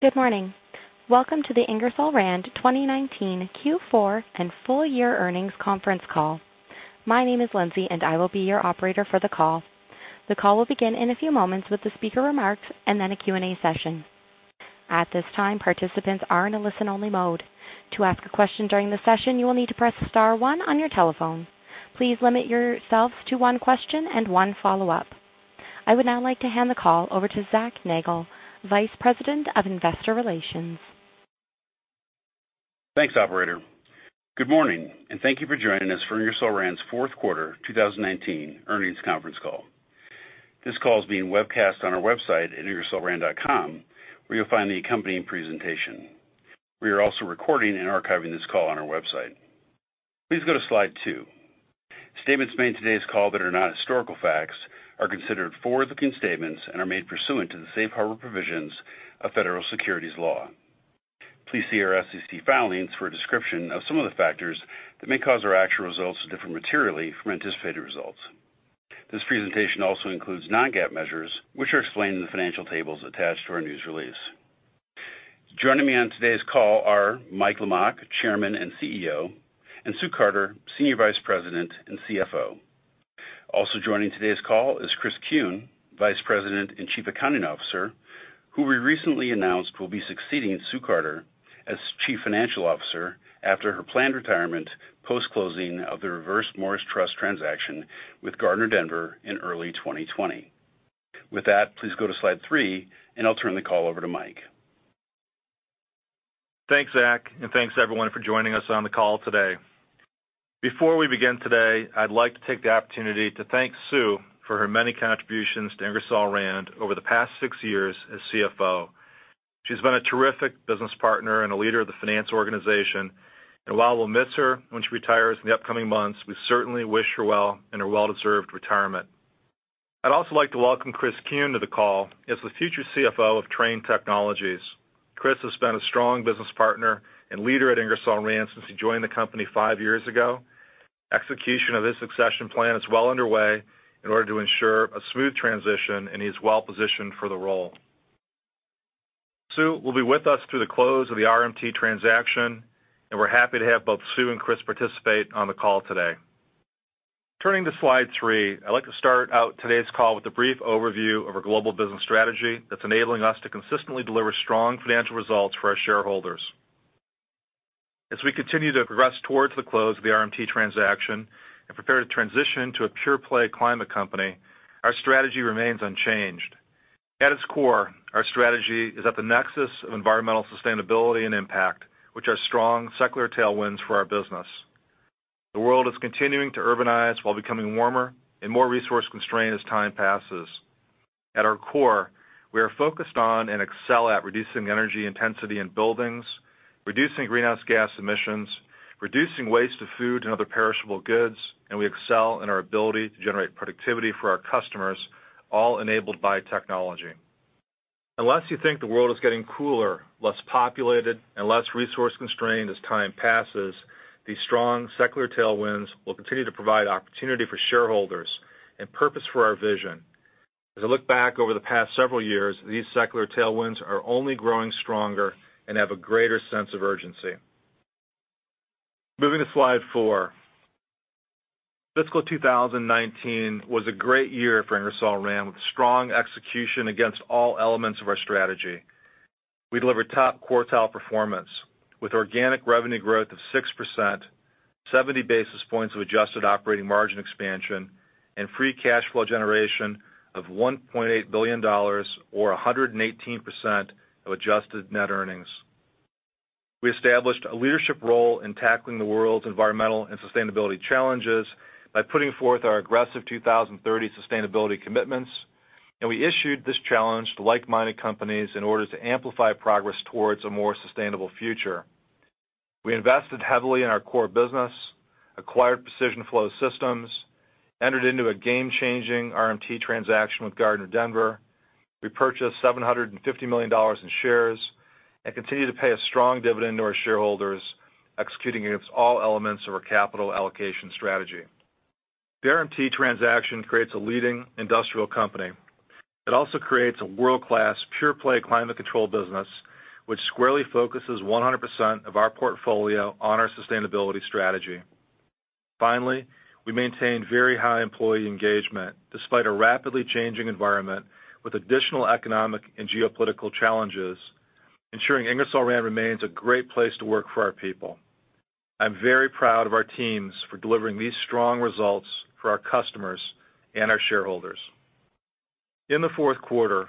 Good morning. Welcome to the Ingersoll Rand 2019 Q4 and full year earnings conference call. My name is Lindsay, and I will be your operator for the call. The call will begin in a few moments with the speaker remarks and then a Q&A session. At this time, participants are in a listen-only mode. To ask a question during the session, you will need to press star one on your telephone. Please limit yourselves to one question and one follow-up. I would now like to hand the call over to Zac Nagle, Vice President of Investor Relations. Thanks, operator. Good morning, thank you for joining us for Ingersoll Rand's fourth quarter 2019 earnings conference call. This call is being webcast on our website at ingersollrand.com, where you'll find the accompanying presentation. We are also recording and archiving this call on our website. Please go to slide two. Statements made in today's call that are not historical facts are considered forward-looking statements and are made pursuant to the safe harbor provisions of federal securities law. Please see our SEC filings for a description of some of the factors that may cause our actual results to differ materially from anticipated results. This presentation also includes non-GAAP measures, which are explained in the financial tables attached to our news release. Joining me on today's call are Mike Lamach, Chairman and CEO, and Sue Carter, Senior Vice President and CFO. Also joining today's call is Chris Kuehn, Vice President and Chief Accounting Officer, who we recently announced will be succeeding Sue Carter as Chief Financial Officer after her planned retirement post closing of the Reverse Morris Trust transaction with Gardner Denver in early 2020. With that, please go to slide three, and I'll turn the call over to Mike. Thanks, Zac, thanks everyone for joining us on the call today. Before we begin today, I'd like to take the opportunity to thank Sue for her many contributions to Ingersoll Rand over the past six years as CFO. She's been a terrific business partner and a leader of the finance organization. While we'll miss her when she retires in the upcoming months, we certainly wish her well in her well-deserved retirement. I'd also like to welcome Chris Kuehn to the call as the future CFO of Trane Technologies. Chris has been a strong business partner and leader at Ingersoll Rand since he joined the company five years ago. Execution of this succession plan is well underway in order to ensure a smooth transition. He's well-positioned for the role. Sue will be with us through the close of the RMT transaction, and we're happy to have both Sue and Chris participate on the call today. Turning to slide three, I'd like to start out today's call with a brief overview of our global business strategy that's enabling us to consistently deliver strong financial results for our shareholders. As we continue to progress towards the close of the RMT transaction and prepare to transition to a pure-play climate company, our strategy remains unchanged. At its core, our strategy is at the nexus of environmental sustainability and impact, which are strong secular tailwinds for our business. The world is continuing to urbanize while becoming warmer and more resource-constrained as time passes. At our core, we are focused on and excel at reducing energy intensity in buildings, reducing greenhouse gas emissions, reducing waste of food and other perishable goods, and we excel in our ability to generate productivity for our customers, all enabled by technology. Unless you think the world is getting cooler, less populated, and less resource-constrained as time passes, these strong secular tailwinds will continue to provide opportunity for shareholders and purpose for our vision. As I look back over the past several years, these secular tailwinds are only growing stronger and have a greater sense of urgency. Moving to slide four. Fiscal 2019 was a great year for Ingersoll Rand, with strong execution against all elements of our strategy. We delivered top quartile performance with organic revenue growth of 6%, 70 basis points of adjusted operating margin expansion, and free cash flow generation of $1.8 billion, or 118% of adjusted net earnings. We established a leadership role in tackling the world's environmental and sustainability challenges by putting forth our aggressive 2030 sustainability commitments, and we issued this challenge to like-minded companies in order to amplify progress towards a more sustainable future. We invested heavily in our core business, acquired Precision Flow Systems, entered into a game-changing RMT transaction with Gardner Denver. We purchased $750 million in shares and continue to pay a strong dividend to our shareholders, executing against all elements of our capital allocation strategy. The RMT transaction creates a leading industrial company. It also creates a world-class, pure-play climate control business, which squarely focuses 100% of our portfolio on our sustainability strategy. Finally, we maintained very high employee engagement despite a rapidly changing environment with additional economic and geopolitical challenges, ensuring Ingersoll Rand remains a great place to work for our people. I'm very proud of our teams for delivering these strong results for our customers and our shareholders. In the fourth quarter,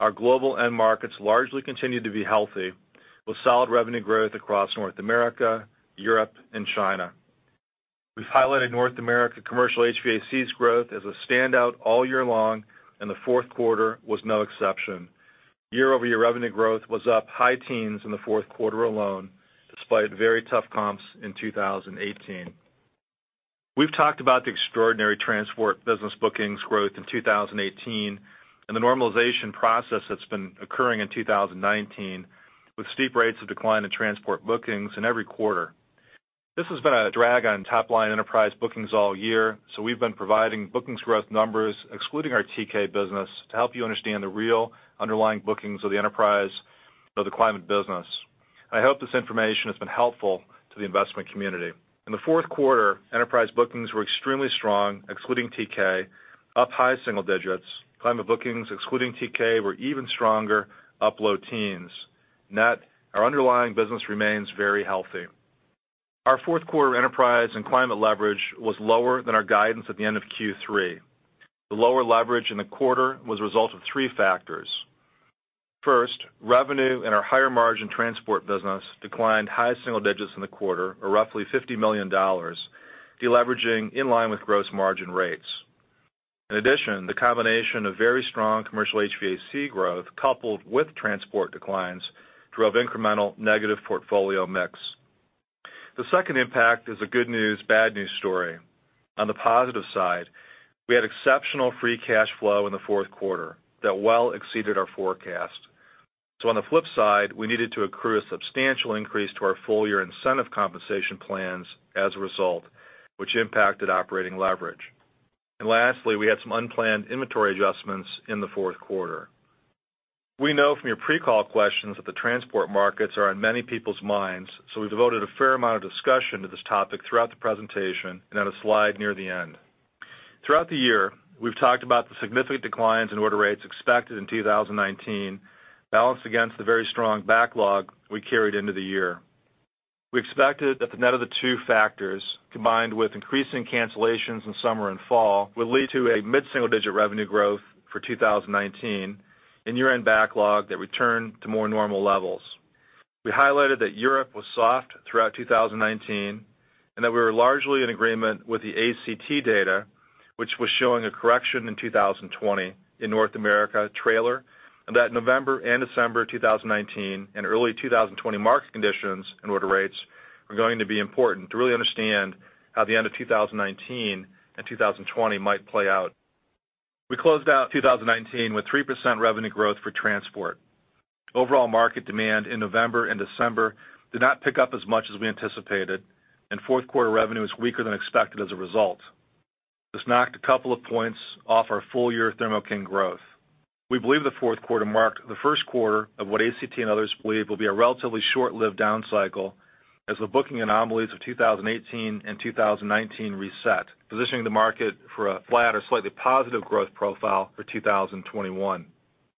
our global end markets largely continued to be healthy, with solid revenue growth across North America, Europe, and China. We've highlighted North America commercial HVAC's growth as a standout all year long, and the fourth quarter was no exception. Year-over-year revenue growth was up high teens in the fourth quarter alone, despite very tough comps in 2018. We've talked about the extraordinary transport business bookings growth in 2018 and the normalization process that's been occurring in 2019 with steep rates of decline in transport bookings in every quarter. This has been a drag on top-line enterprise bookings all year. We've been providing bookings growth numbers excluding our TK business to help you understand the real underlying bookings of the enterprise of the climate business. I hope this information has been helpful to the investment community. In the fourth quarter, enterprise bookings were extremely strong, excluding TK, up high single digits. Climate bookings excluding TK were even stronger, up low teens. Net, our underlying business remains very healthy. Our fourth quarter enterprise and climate leverage was lower than our guidance at the end of Q3. The lower leverage in the quarter was a result of three factors. Revenue in our higher margin transport business declined high single digits in the quarter, or roughly $50 million, deleveraging in line with gross margin rates. The combination of very strong commercial HVAC growth, coupled with transport declines, drove incremental negative portfolio mix. The second impact is a good news, bad news story. On the positive side, we had exceptional free cash flow in the fourth quarter that well exceeded our forecast. On the flip side, we needed to accrue a substantial increase to our full-year incentive compensation plans as a result, which impacted operating leverage. Lastly, we had some unplanned inventory adjustments in the fourth quarter. We know from your pre-call questions that the transport markets are on many people's minds, we devoted a fair amount of discussion to this topic throughout the presentation and on a slide near the end. Throughout the year, we've talked about the significant declines in order rates expected in 2019, balanced against the very strong backlog we carried into the year. We expected that the net of the two factors, combined with increasing cancellations in summer and fall, would lead to a mid-single-digit revenue growth for 2019 and year-end backlog that returned to more normal levels. We highlighted that Europe was soft throughout 2019 and that we were largely in agreement with the ACT data, which was showing a correction in 2020 in North America trailer, and that November and December 2019 and early 2020 market conditions and order rates were going to be important to really understand how the end of 2019 and 2020 might play out. We closed out 2019 with 3% revenue growth for transport. Overall market demand in November and December did not pick up as much as we anticipated, and fourth quarter revenue was weaker than expected as a result. This knocked a couple of points off our full-year Thermo King growth. We believe the fourth quarter marked the first quarter of what ACT and others believe will be a relatively short-lived down cycle as the booking anomalies of 2018 and 2019 reset, positioning the market for a flat or slightly positive growth profile for 2021.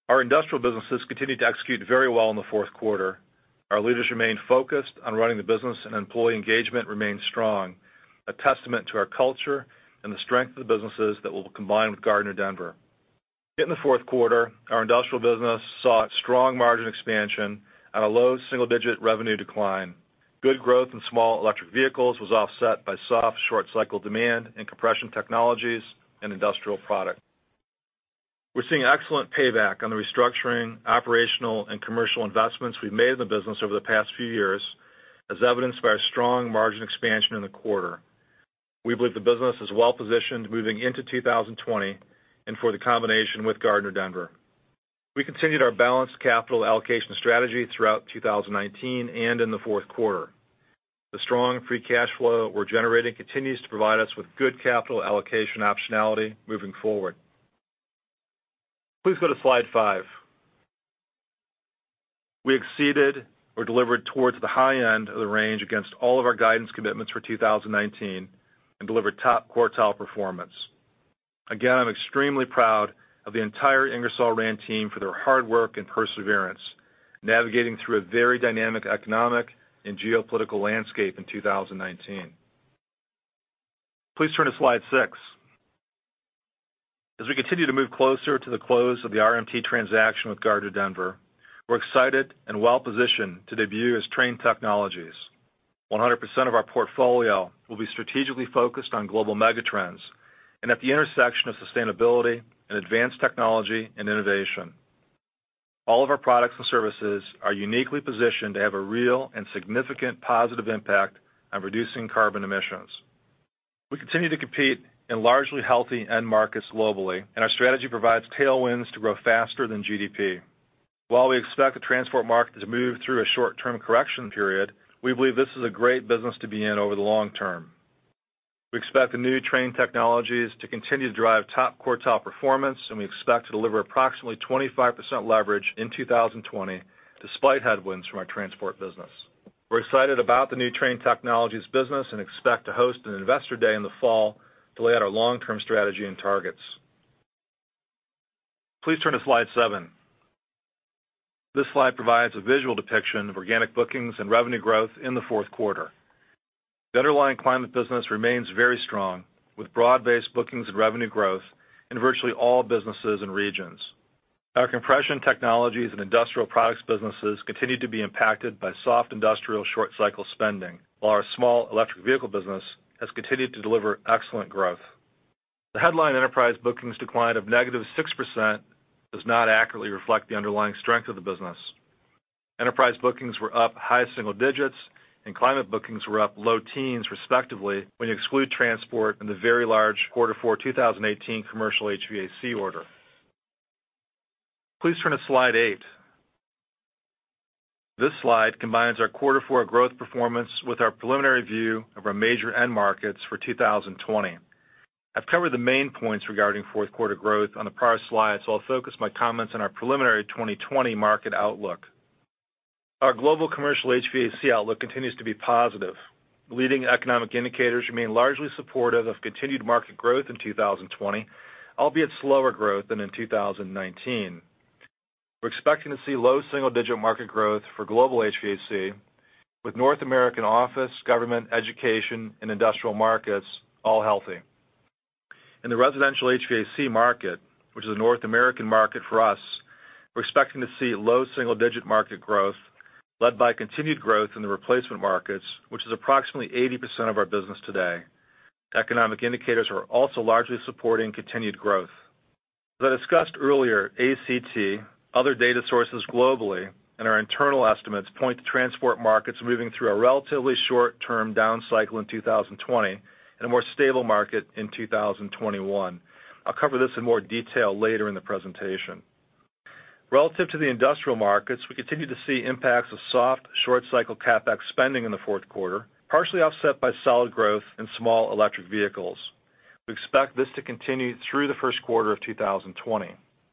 Our industrial businesses continued to execute very well in the fourth quarter. Our leaders remained focused on running the business, and employee engagement remained strong, a testament to our culture and the strength of the businesses that we'll combine with Gardner Denver. In the fourth quarter, our industrial business saw strong margin expansion on a low single-digit revenue decline. Good growth in small electric vehicles was offset by soft short cycle demand in compression technologies and industrial product. We're seeing excellent payback on the restructuring, operational, and commercial investments we've made in the business over the past few years, as evidenced by our strong margin expansion in the quarter. We believe the business is well positioned moving into 2020 and for the combination with Gardner Denver. We continued our balanced capital allocation strategy throughout 2019 and in the fourth quarter. The strong free cash flow we're generating continues to provide us with good capital allocation optionality moving forward. Please go to slide five. We exceeded or delivered towards the high end of the range against all of our guidance commitments for 2019 and delivered top quartile performance. Again, I'm extremely proud of the entire Ingersoll Rand team for their hard work and perseverance, navigating through a very dynamic economic and geopolitical landscape in 2019. Please turn to slide six. As we continue to move closer to the close of the RMT transaction with Gardner Denver, we're excited and well positioned to debut as Trane Technologies. 100% of our portfolio will be strategically focused on global mega trends and at the intersection of sustainability and advanced technology and innovation. All of our products and services are uniquely positioned to have a real and significant positive impact on reducing carbon emissions. We continue to compete in largely healthy end markets globally, and our strategy provides tailwinds to grow faster than GDP. While we expect the transport market to move through a short-term correction period, we believe this is a great business to be in over the long term. We expect the new Trane Technologies to continue to drive top quartile performance. We expect to deliver approximately 25% leverage in 2020 despite headwinds from our transport business. We're excited about the new Trane Technologies business and expect to host an investor day in the fall to lay out our long-term strategy and targets. Please turn to slide seven. This slide provides a visual depiction of organic bookings and revenue growth in the fourth quarter. The underlying climate business remains very strong, with broad-based bookings and revenue growth in virtually all businesses and regions. Our compression technologies and industrial products businesses continue to be impacted by soft industrial short cycle spending, while our small electric vehicle business has continued to deliver excellent growth. The headline enterprise bookings decline of -6% does not accurately reflect the underlying strength of the business. Enterprise bookings were up high single digits. Climate bookings were up low teens respectively when you exclude transport and the very large quarter four 2018 commercial HVAC order. Please turn to slide eight. This slide combines our quarter four growth performance with our preliminary view of our major end markets for 2020. I've covered the main points regarding fourth quarter growth on the prior slide. I'll focus my comments on our preliminary 2020 market outlook. Our global commercial HVAC outlook continues to be positive. Leading economic indicators remain largely supportive of continued market growth in 2020, albeit slower growth than in 2019. We're expecting to see low single-digit market growth for global HVAC with North American office, government, education, and industrial markets all healthy. In the residential HVAC market, which is a North American market for us, we're expecting to see low single-digit market growth led by continued growth in the replacement markets, which is approximately 80% of our business today. Economic indicators are also largely supporting continued growth. As I discussed earlier, ACT, other data sources globally, and our internal estimates point to transport markets moving through a relatively short-term down cycle in 2020 and a more stable market in 2021. I'll cover this in more detail later in the presentation. Relative to the industrial markets, we continue to see impacts of soft, short cycle CapEx spending in the fourth quarter, partially offset by solid growth in small electric vehicles. We expect this to continue through the first quarter of 2020.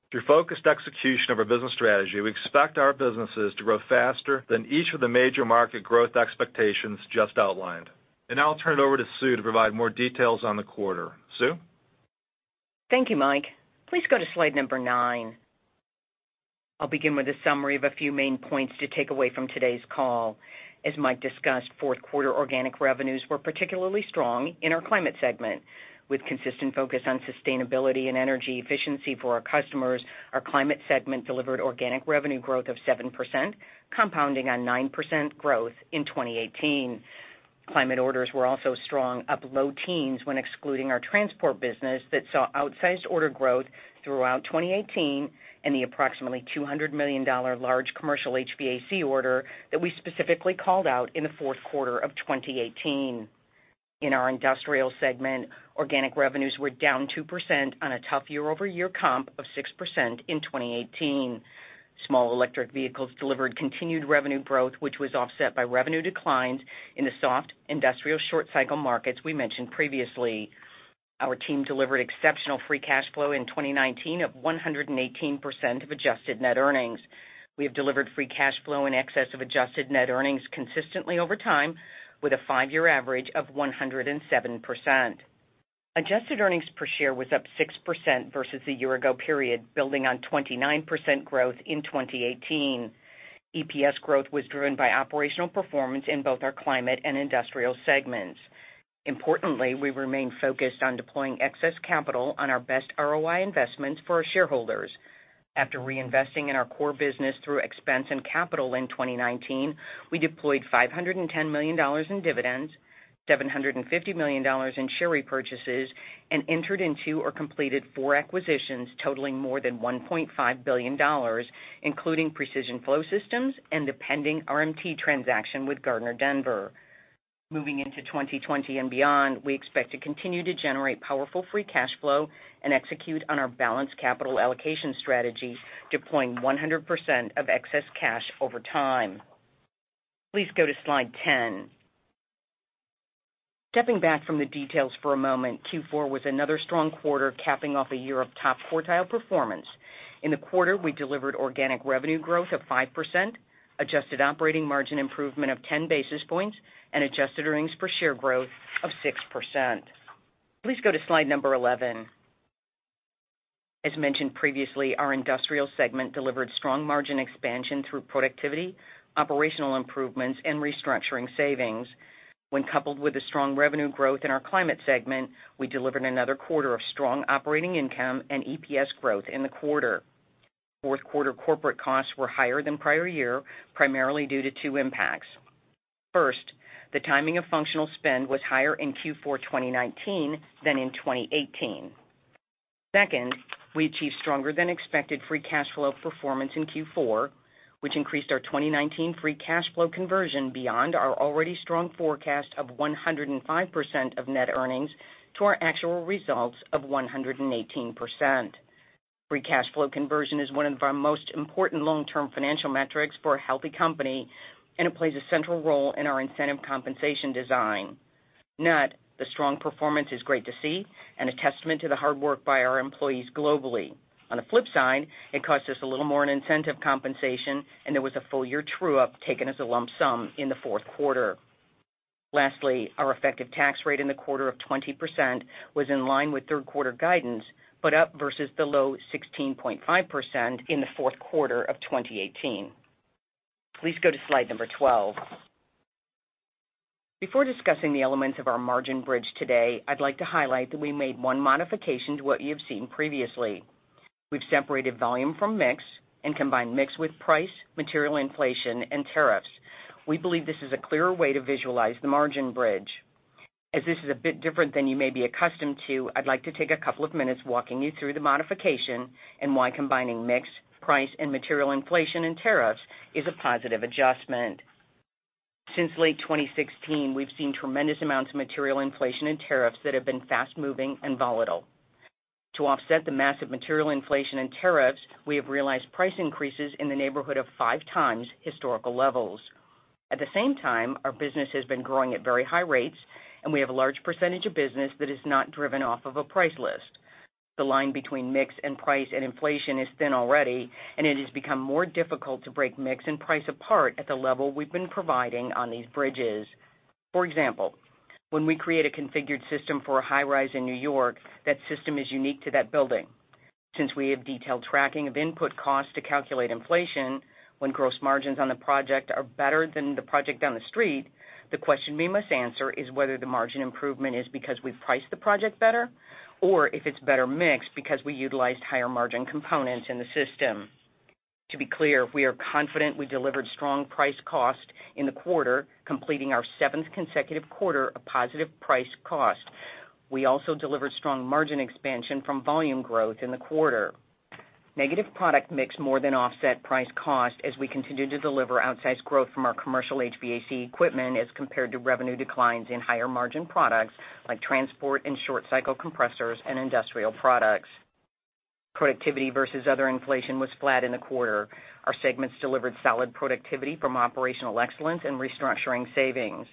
Through focused execution of our business strategy, we expect our businesses to grow faster than each of the major market growth expectations just outlined. Now I'll turn it over to Sue to provide more details on the quarter. Sue? Thank you, Mike. Please go to slide number nine. I'll begin with a summary of a few main points to take away from today's call. As Mike discussed, fourth quarter organic revenues were particularly strong in our Climate segment. With consistent focus on sustainability and energy efficiency for our customers, our Climate segment delivered organic revenue growth of 7%, compounding on 9% growth in 2018. Climate orders were also strong, up low teens when excluding our transport business that saw outsized order growth throughout 2018 and the approximately $200 million large commercial HVAC order that we specifically called out in the fourth quarter of 2018. In our Industrial segment, organic revenues were down 2% on a tough year-over-year comp of 6% in 2018. Small electric vehicles delivered continued revenue growth, which was offset by revenue declines in the soft industrial short cycle markets we mentioned previously. Our team delivered exceptional free cash flow in 2019 of 118% of adjusted net earnings. We have delivered free cash flow in excess of adjusted net earnings consistently over time with a five-year average of 107%. Adjusted earnings per share was up 6% versus the year ago period, building on 29% growth in 2018. EPS growth was driven by operational performance in both our climate and industrial segments. Importantly, we remain focused on deploying excess capital on our best ROI investments for our shareholders. After reinvesting in our core business through expense and capital in 2019, we deployed $510 million in dividends, $750 million in share repurchases, and entered into or completed four acquisitions totaling more than $1.5 billion, including Precision Flow Systems and the pending RMT transaction with Gardner Denver. Moving into 2020 and beyond, we expect to continue to generate powerful free cash flow and execute on our balanced capital allocation strategy, deploying 100% of excess cash over time. Please go to slide 10. Stepping back from the details for a moment, Q4 was another strong quarter capping off a year of top quartile performance. In the quarter, we delivered organic revenue growth of 5%, adjusted operating margin improvement of 10 basis points, and adjusted earnings per share growth of 6%. Please go to slide number 11. As mentioned previously, our industrial segment delivered strong margin expansion through productivity, operational improvements, and restructuring savings. When coupled with the strong revenue growth in our climate segment, we delivered another quarter of strong operating income and EPS growth in the quarter. Fourth quarter corporate costs were higher than prior year, primarily due to two impacts. First, the timing of functional spend was higher in Q4 2019 than in 2018. Second, we achieved stronger than expected free cash flow performance in Q4, which increased our 2019 free cash flow conversion beyond our already strong forecast of 105% of net earnings to our actual results of 118%. Free cash flow conversion is one of our most important long-term financial metrics for a healthy company, and it plays a central role in our incentive compensation design. Net, the strong performance is great to see and a testament to the hard work by our employees globally. On the flip side, it cost us a little more in incentive compensation, and there was a full year true-up taken as a lump sum in the fourth quarter. Lastly, our effective tax rate in the quarter of 20% was in line with third quarter guidance, but up versus the low 16.5% in the fourth quarter of 2018. Please go to slide number 12. Before discussing the elements of our margin bridge today, I'd like to highlight that we made one modification to what you have seen previously. We've separated volume from mix and combined mix with price, material inflation, and tariffs. We believe this is a clearer way to visualize the margin bridge. As this is a bit different than you may be accustomed to, I'd like to take a couple of minutes walking you through the modification and why combining mix, price, and material inflation and tariffs is a positive adjustment. Since late 2016, we've seen tremendous amounts of material inflation and tariffs that have been fast-moving and volatile. To offset the massive material inflation and tariffs, we have realized price increases in the neighborhood of five times historical levels. At the same time, our business has been growing at very high rates, and we have a large percentage of business that is not driven off of a price list. The line between mix and price and inflation is thin already, and it has become more difficult to break mix and price apart at the level we've been providing on these bridges. For example, when we create a configured system for a high-rise in New York, that system is unique to that building. Since we have detailed tracking of input costs to calculate inflation, when gross margins on the project are better than the project down the street, the question we must answer is whether the margin improvement is because we've priced the project better, or if it's better mixed because we utilized higher margin components in the system. To be clear, we are confident we delivered strong price cost in the quarter, completing our seventh consecutive quarter of positive price cost. We also delivered strong margin expansion from volume growth in the quarter. Negative product mix more than offset price cost as we continue to deliver outsized growth from our commercial HVAC equipment as compared to revenue declines in higher margin products like transport and short cycle compressors and industrial products. Productivity versus other inflation was flat in the quarter. Our segments delivered solid productivity from operational excellence and restructuring savings.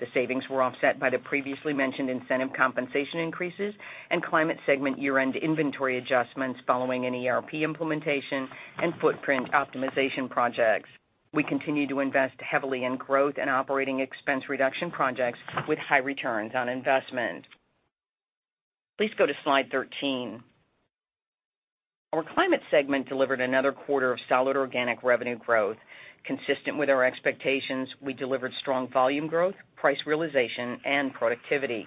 The savings were offset by the previously mentioned incentive compensation increases and Climate segment year-end inventory adjustments following an ERP implementation and footprint optimization projects. We continue to invest heavily in growth and operating expense reduction projects with high returns on investment. Please go to slide 13. Our Climate segment delivered another quarter of solid organic revenue growth. Consistent with our expectations, we delivered strong volume growth, price realization, and productivity.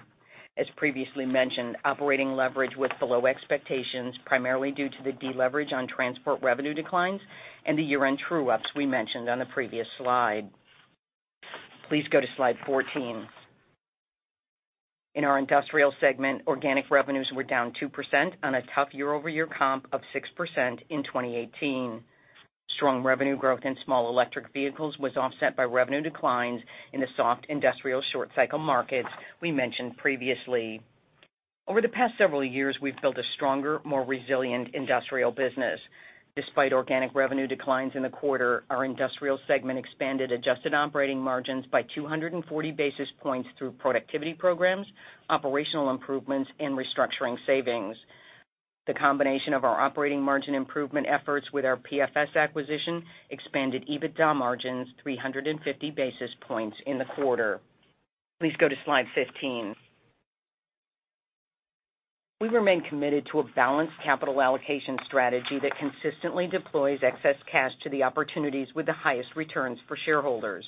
As previously mentioned, operating leverage was below expectations, primarily due to the deleverage on transport revenue declines and the year-end true-ups we mentioned on the previous slide. Please go to slide 14. In our Industrial segment, organic revenues were down 2% on a tough year-over-year comp of 6% in 2018. Strong revenue growth in small electric vehicles was offset by revenue declines in the soft industrial short cycle markets we mentioned previously. Over the past several years, we've built a stronger, more resilient industrial business. Despite organic revenue declines in the quarter, our industrial segment expanded adjusted operating margins by 240 basis points through productivity programs, operational improvements, and restructuring savings. The combination of our operating margin improvement efforts with our PFS acquisition expanded EBITDA margins 350 basis points in the quarter. Please go to slide 15. We remain committed to a balanced capital allocation strategy that consistently deploys excess cash to the opportunities with the highest returns for shareholders.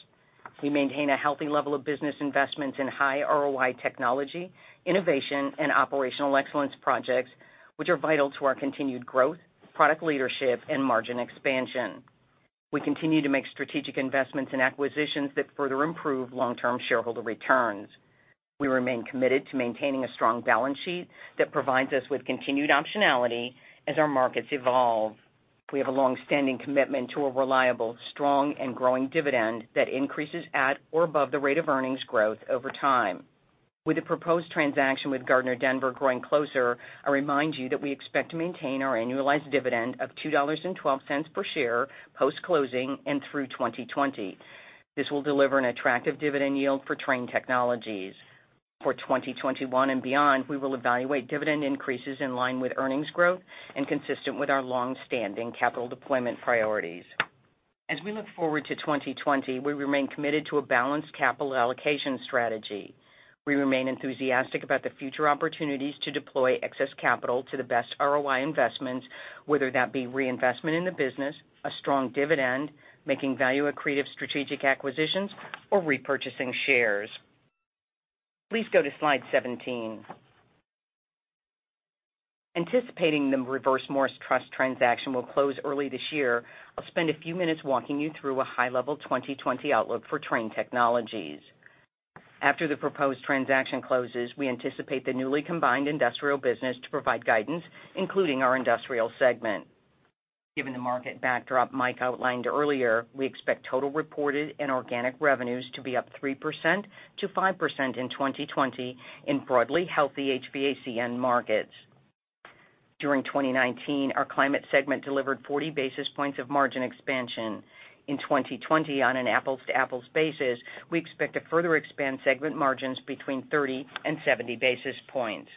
We maintain a healthy level of business investments in high ROI technology, innovation, and operational excellence projects, which are vital to our continued growth, product leadership, and margin expansion. We continue to make strategic investments in acquisitions that further improve long-term shareholder returns. We remain committed to maintaining a strong balance sheet that provides us with continued optionality as our markets evolve. We have a longstanding commitment to a reliable, strong, and growing dividend that increases at or above the rate of earnings growth over time. With the proposed transaction with Gardner Denver growing closer, I remind you that we expect to maintain our annualized dividend of $2.12 per share post-closing and through 2020. This will deliver an attractive dividend yield for Trane Technologies. For 2021 and beyond, we will evaluate dividend increases in line with earnings growth and consistent with our longstanding capital deployment priorities. As we look forward to 2020, we remain committed to a balanced capital allocation strategy. We remain enthusiastic about the future opportunities to deploy excess capital to the best ROI investments, whether that be reinvestment in the business, a strong dividend, making value accretive strategic acquisitions, or repurchasing shares. Please go to slide 17. Anticipating the Reverse Morris Trust transaction will close early this year, I'll spend a few minutes walking you through a high-level 2020 outlook for Trane Technologies. After the proposed transaction closes, we anticipate the newly combined industrial business to provide guidance, including our industrial segment. Given the market backdrop Mike outlined earlier, we expect total reported and organic revenues to be up 3%-5% in 2020 in broadly healthy HVAC end markets. During 2019, our climate segment delivered 40 basis points of margin expansion. In 2020, on an apples-to-apples basis, we expect to further expand segment margins between 30 and 70 basis points.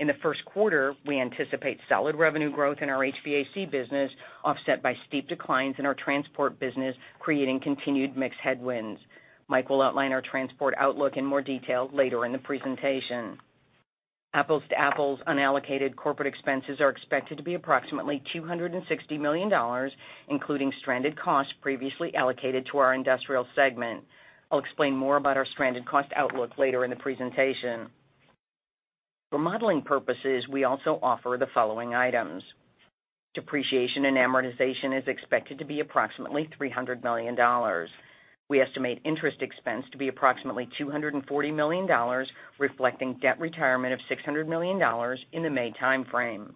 In the first quarter, we anticipate solid revenue growth in our HVAC business, offset by steep declines in our transport business, creating continued mix headwinds. Mike will outline our transport outlook in more detail later in the presentation. Apples-to-apples unallocated corporate expenses are expected to be approximately $260 million, including stranded costs previously allocated to our Industrial segment. I'll explain more about our stranded cost outlook later in the presentation. For modeling purposes, we also offer the following items. Depreciation and amortization is expected to be approximately $300 million. We estimate interest expense to be approximately $240 million, reflecting debt retirement of $600 million in the May timeframe.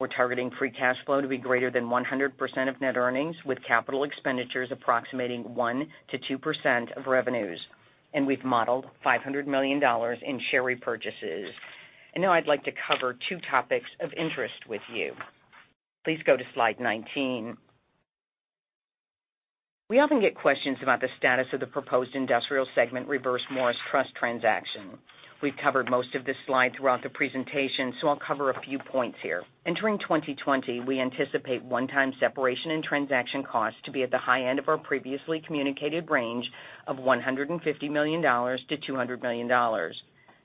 We're targeting free cash flow to be greater than 100% of net earnings, with capital expenditures approximating 1%-2% of revenues. We've modeled $500 million in share repurchases. Now I'd like to cover two topics of interest with you. Please go to slide 19. We often get questions about the status of the proposed Industrial segment Reverse Morris Trust transaction. We've covered most of this slide throughout the presentation, so I'll cover a few points here. Entering 2020, we anticipate one-time separation and transaction costs to be at the high end of our previously communicated range of $150 million-$200 million.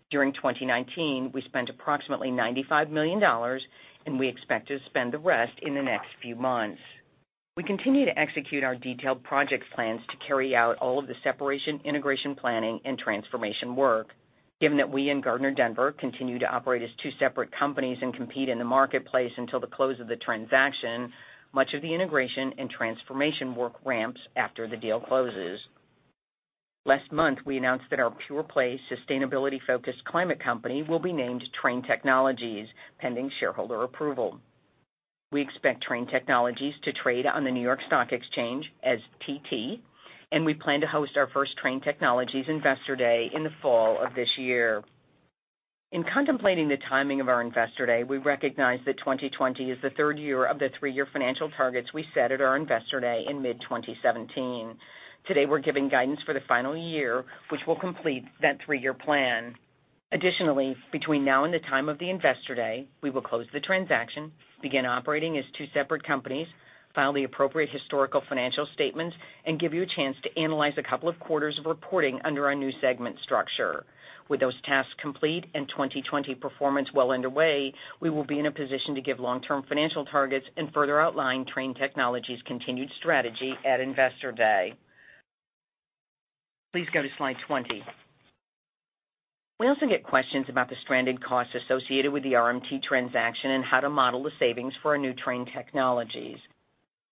During 2019, we spent approximately $95 million. We expect to spend the rest in the next few months. We continue to execute our detailed project plans to carry out all of the separation, integration planning, and transformation work. Given that we and Gardner Denver continue to operate as two separate companies and compete in the marketplace until the close of the transaction, much of the integration and transformation work ramps after the deal closes. Last month, we announced that our pure-play, sustainability-focused climate company will be named Trane Technologies, pending shareholder approval. We expect Trane Technologies to trade on the New York Stock Exchange as TT. We plan to host our first Trane Technologies Investor Day in the fall of this year. In contemplating the timing of our Investor Day, we recognize that 2020 is the third year of the three-year financial targets we set at our Investor Day in mid-2017. Today, we're giving guidance for the final year, which will complete that three-year plan. Additionally, between now and the time of the Investor Day, we will close the transaction, begin operating as two separate companies, file the appropriate historical financial statements, and give you a chance to analyze a couple of quarters of reporting under our new segment structure. With those tasks complete and 2020 performance well underway, we will be in a position to give long-term financial targets and further outline Trane Technologies' continued strategy at Investor Day. Please go to slide 20. We also get questions about the stranded costs associated with the RMT transaction and how to model the savings for a new Trane Technologies.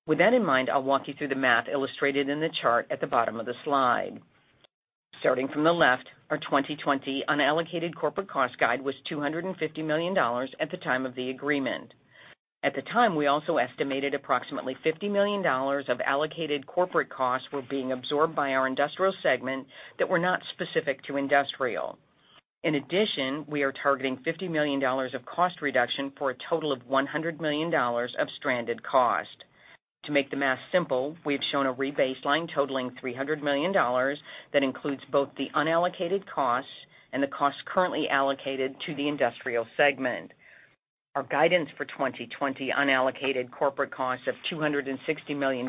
With that in mind, I'll walk you through the math illustrated in the chart at the bottom of the slide. Starting from the left, our 2020 unallocated corporate cost guide was $250 million at the time of the agreement. At the time, we also estimated approximately $50 million of allocated corporate costs were being absorbed by our Industrial segment that were not specific to Industrial. In addition, we are targeting $50 million of cost reduction for a total of $100 million of stranded cost. To make the math simple, we've shown a rebaselined totaling $300 million that includes both the unallocated costs and the costs currently allocated to the Industrial segment. Our guidance for 2020 unallocated corporate costs of $260 million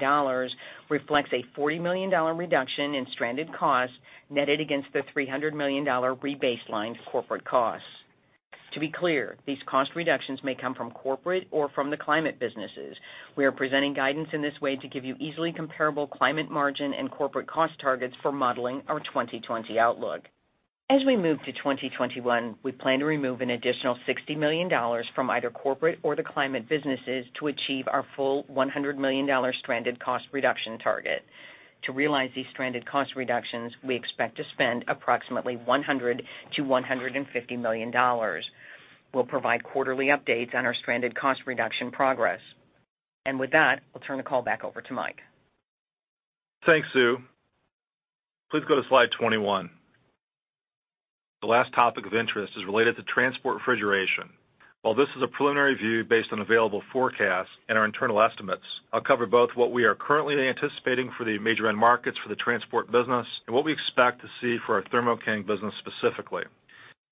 reflects a $40 million reduction in stranded costs netted against the $300 million rebaselined corporate costs. To be clear, these cost reductions may come from corporate or from the climate businesses. We are presenting guidance in this way to give you easily comparable climate margin and corporate cost targets for modeling our 2020 outlook. As we move to 2021, we plan to remove an additional $60 million from either corporate or the climate businesses to achieve our full $100 million stranded cost reduction target. To realize these stranded cost reductions, we expect to spend approximately $100 million-$150 million. We'll provide quarterly updates on our stranded cost reduction progress. With that, I'll turn the call back over to Mike. Thanks, Sue. Please go to slide 21. The last topic of interest is related to Transport refrigeration. While this is a preliminary view based on available forecasts and our internal estimates, I'll cover both what we are currently anticipating for the major end markets for the Transport business and what we expect to see for our Thermo King business specifically.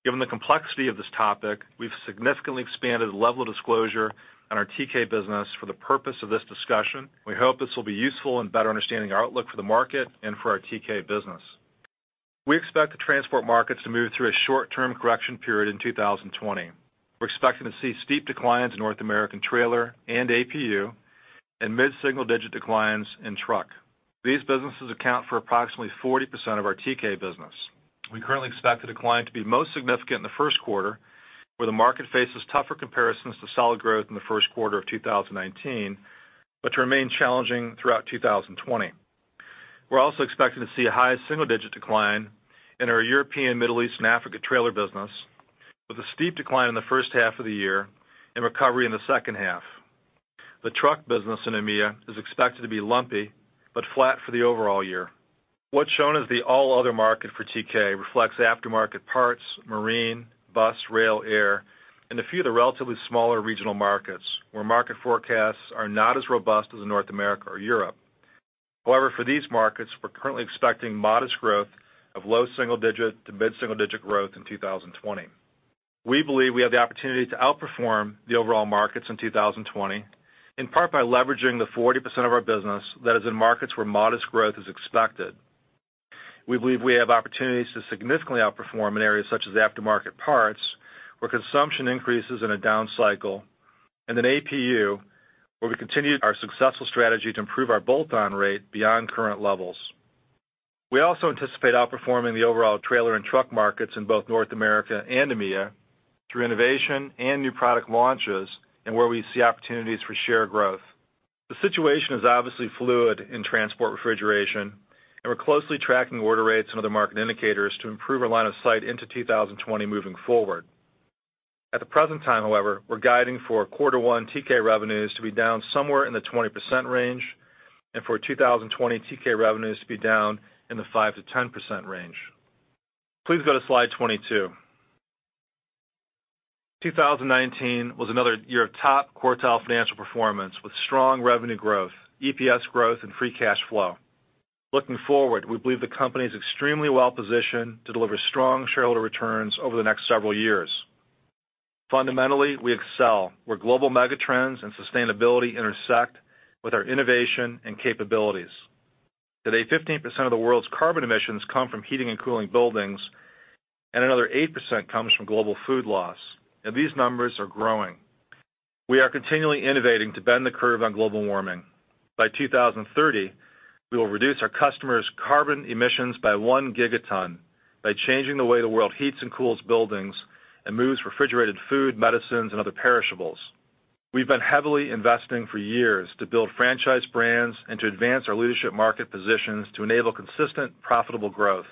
Given the complexity of this topic, we've significantly expanded the level of disclosure on our TK business for the purpose of this discussion. We hope this will be useful in better understanding our outlook for the market and for our TK business. We expect the transport markets to move through a short-term correction period in 2020. We're expecting to see steep declines in North American trailer and APU, and mid-single-digit declines in truck. These businesses account for approximately 40% of our TK business. We currently expect the decline to be most significant in the first quarter, where the market faces tougher comparisons to solid growth in the first quarter of 2019, but to remain challenging throughout 2020. We're also expecting to see a high single-digit decline in our European, Middle East, and Africa trailer business, with a steep decline in the first half of the year and recovery in the second half. The truck business in EMEA is expected to be lumpy but flat for the overall year. What's shown as the all other market for TK reflects aftermarket parts, marine, bus, rail, air, and a few of the relatively smaller regional markets, where market forecasts are not as robust as in North America or Europe. However, for these markets, we're currently expecting modest growth of low single digit to mid-single digit growth in 2020. We believe we have the opportunity to outperform the overall markets in 2020, in part by leveraging the 40% of our business that is in markets where modest growth is expected. We believe we have opportunities to significantly outperform in areas such as aftermarket parts, where consumption increases in a down cycle, and in APU, where we continue our successful strategy to improve our bolt-on rate beyond current levels. We also anticipate outperforming the overall trailer and truck markets in both North America and EMEA through innovation and new product launches and where we see opportunities for share growth. The situation is obviously fluid in transport refrigeration, and we're closely tracking order rates and other market indicators to improve our line of sight into 2020 moving forward. At the present time, however, we're guiding for quarter one TK revenues to be down somewhere in the 20% range and for 2020 TK revenues to be down in the 5%-10% range. Please go to slide 22. 2019 was another year of top-quartile financial performance with strong revenue growth, EPS growth, and free cash flow. Looking forward, we believe the company is extremely well-positioned to deliver strong shareholder returns over the next several years. Fundamentally, we excel where global mega trends and sustainability intersect with our innovation and capabilities. Today, 15% of the world's carbon emissions come from heating and cooling buildings, and another 8% comes from global food loss. These numbers are growing. We are continually innovating to bend the curve on global warming. By 2030, we will reduce our customers' carbon emissions by one gigaton by changing the way the world heats and cools buildings and moves refrigerated food, medicines, and other perishables. We've been heavily investing for years to build franchise brands and to advance our leadership market positions to enable consistent profitable growth.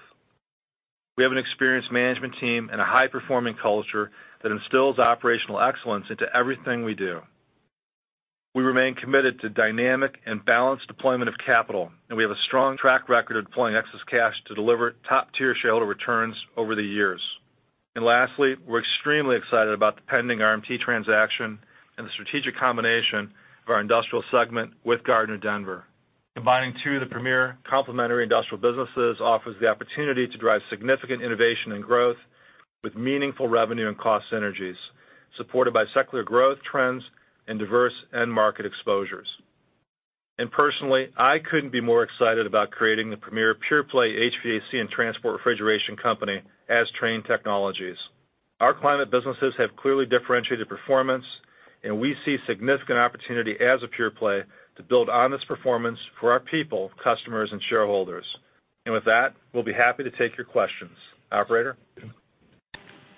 We have an experienced management team and a high-performing culture that instills operational excellence into everything we do. We remain committed to dynamic and balanced deployment of capital, and we have a strong track record of deploying excess cash to deliver top-tier shareholder returns over the years. Lastly, we're extremely excited about the pending RMT transaction and the strategic combination of our industrial segment with Gardner Denver. Combining two of the premier complementary industrial businesses offers the opportunity to drive significant innovation and growth with meaningful revenue and cost synergies, supported by secular growth trends and diverse end market exposures. Personally, I couldn't be more excited about creating the premier pure-play HVAC and transport refrigeration company as Trane Technologies. Our climate businesses have clearly differentiated performance, and we see significant opportunity as a pure play to build on this performance for our people, customers, and shareholders. With that, we'll be happy to take your questions. Operator?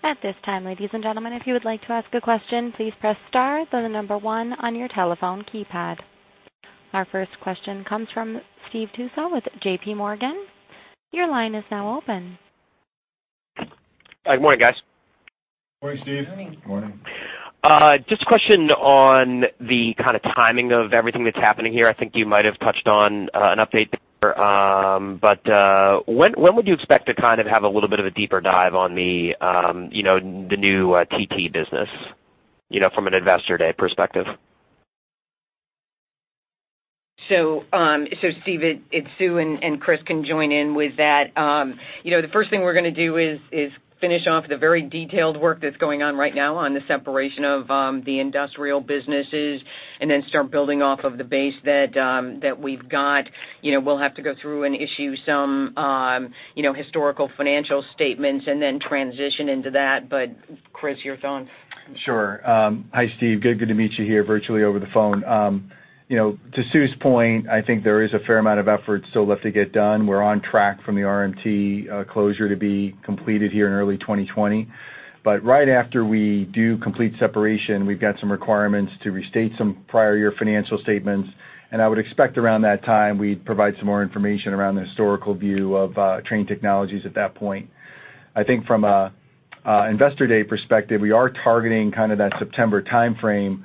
At this time, ladies and gentlemen, if you would like to ask a question, please press star, then the number one on your telephone keypad. Our first question comes from Steve Tusa with JPMorgan. Your line is now open. Good morning, guys. Morning, Steve. Morning. Just a question on the kind of timing of everything that's happening here. I think you might have touched on an update there. When would you expect to kind of have a little bit of a deeper dive on the new TT business from an investor day perspective? Steve, it's Sue, and Chris can join in with that. The first thing we're going to do is finish off the very detailed work that's going on right now on the separation of the industrial businesses and then start building off of the base that we've got. We'll have to go through and issue some historical financial statements and then transition into that. Chris, you're going. Sure. Hi, Steve. Good to meet you here virtually over the phone. To Sue's point, I think there is a fair amount of effort still left to get done. We're on track from the RMT closure to be completed here in early 2020. Right after we do complete separation, we've got some requirements to restate some prior year financial statements. I would expect around that time we'd provide some more information around the historical view of Trane Technologies at that point. I think from an investor day perspective, we are targeting kind of that September timeframe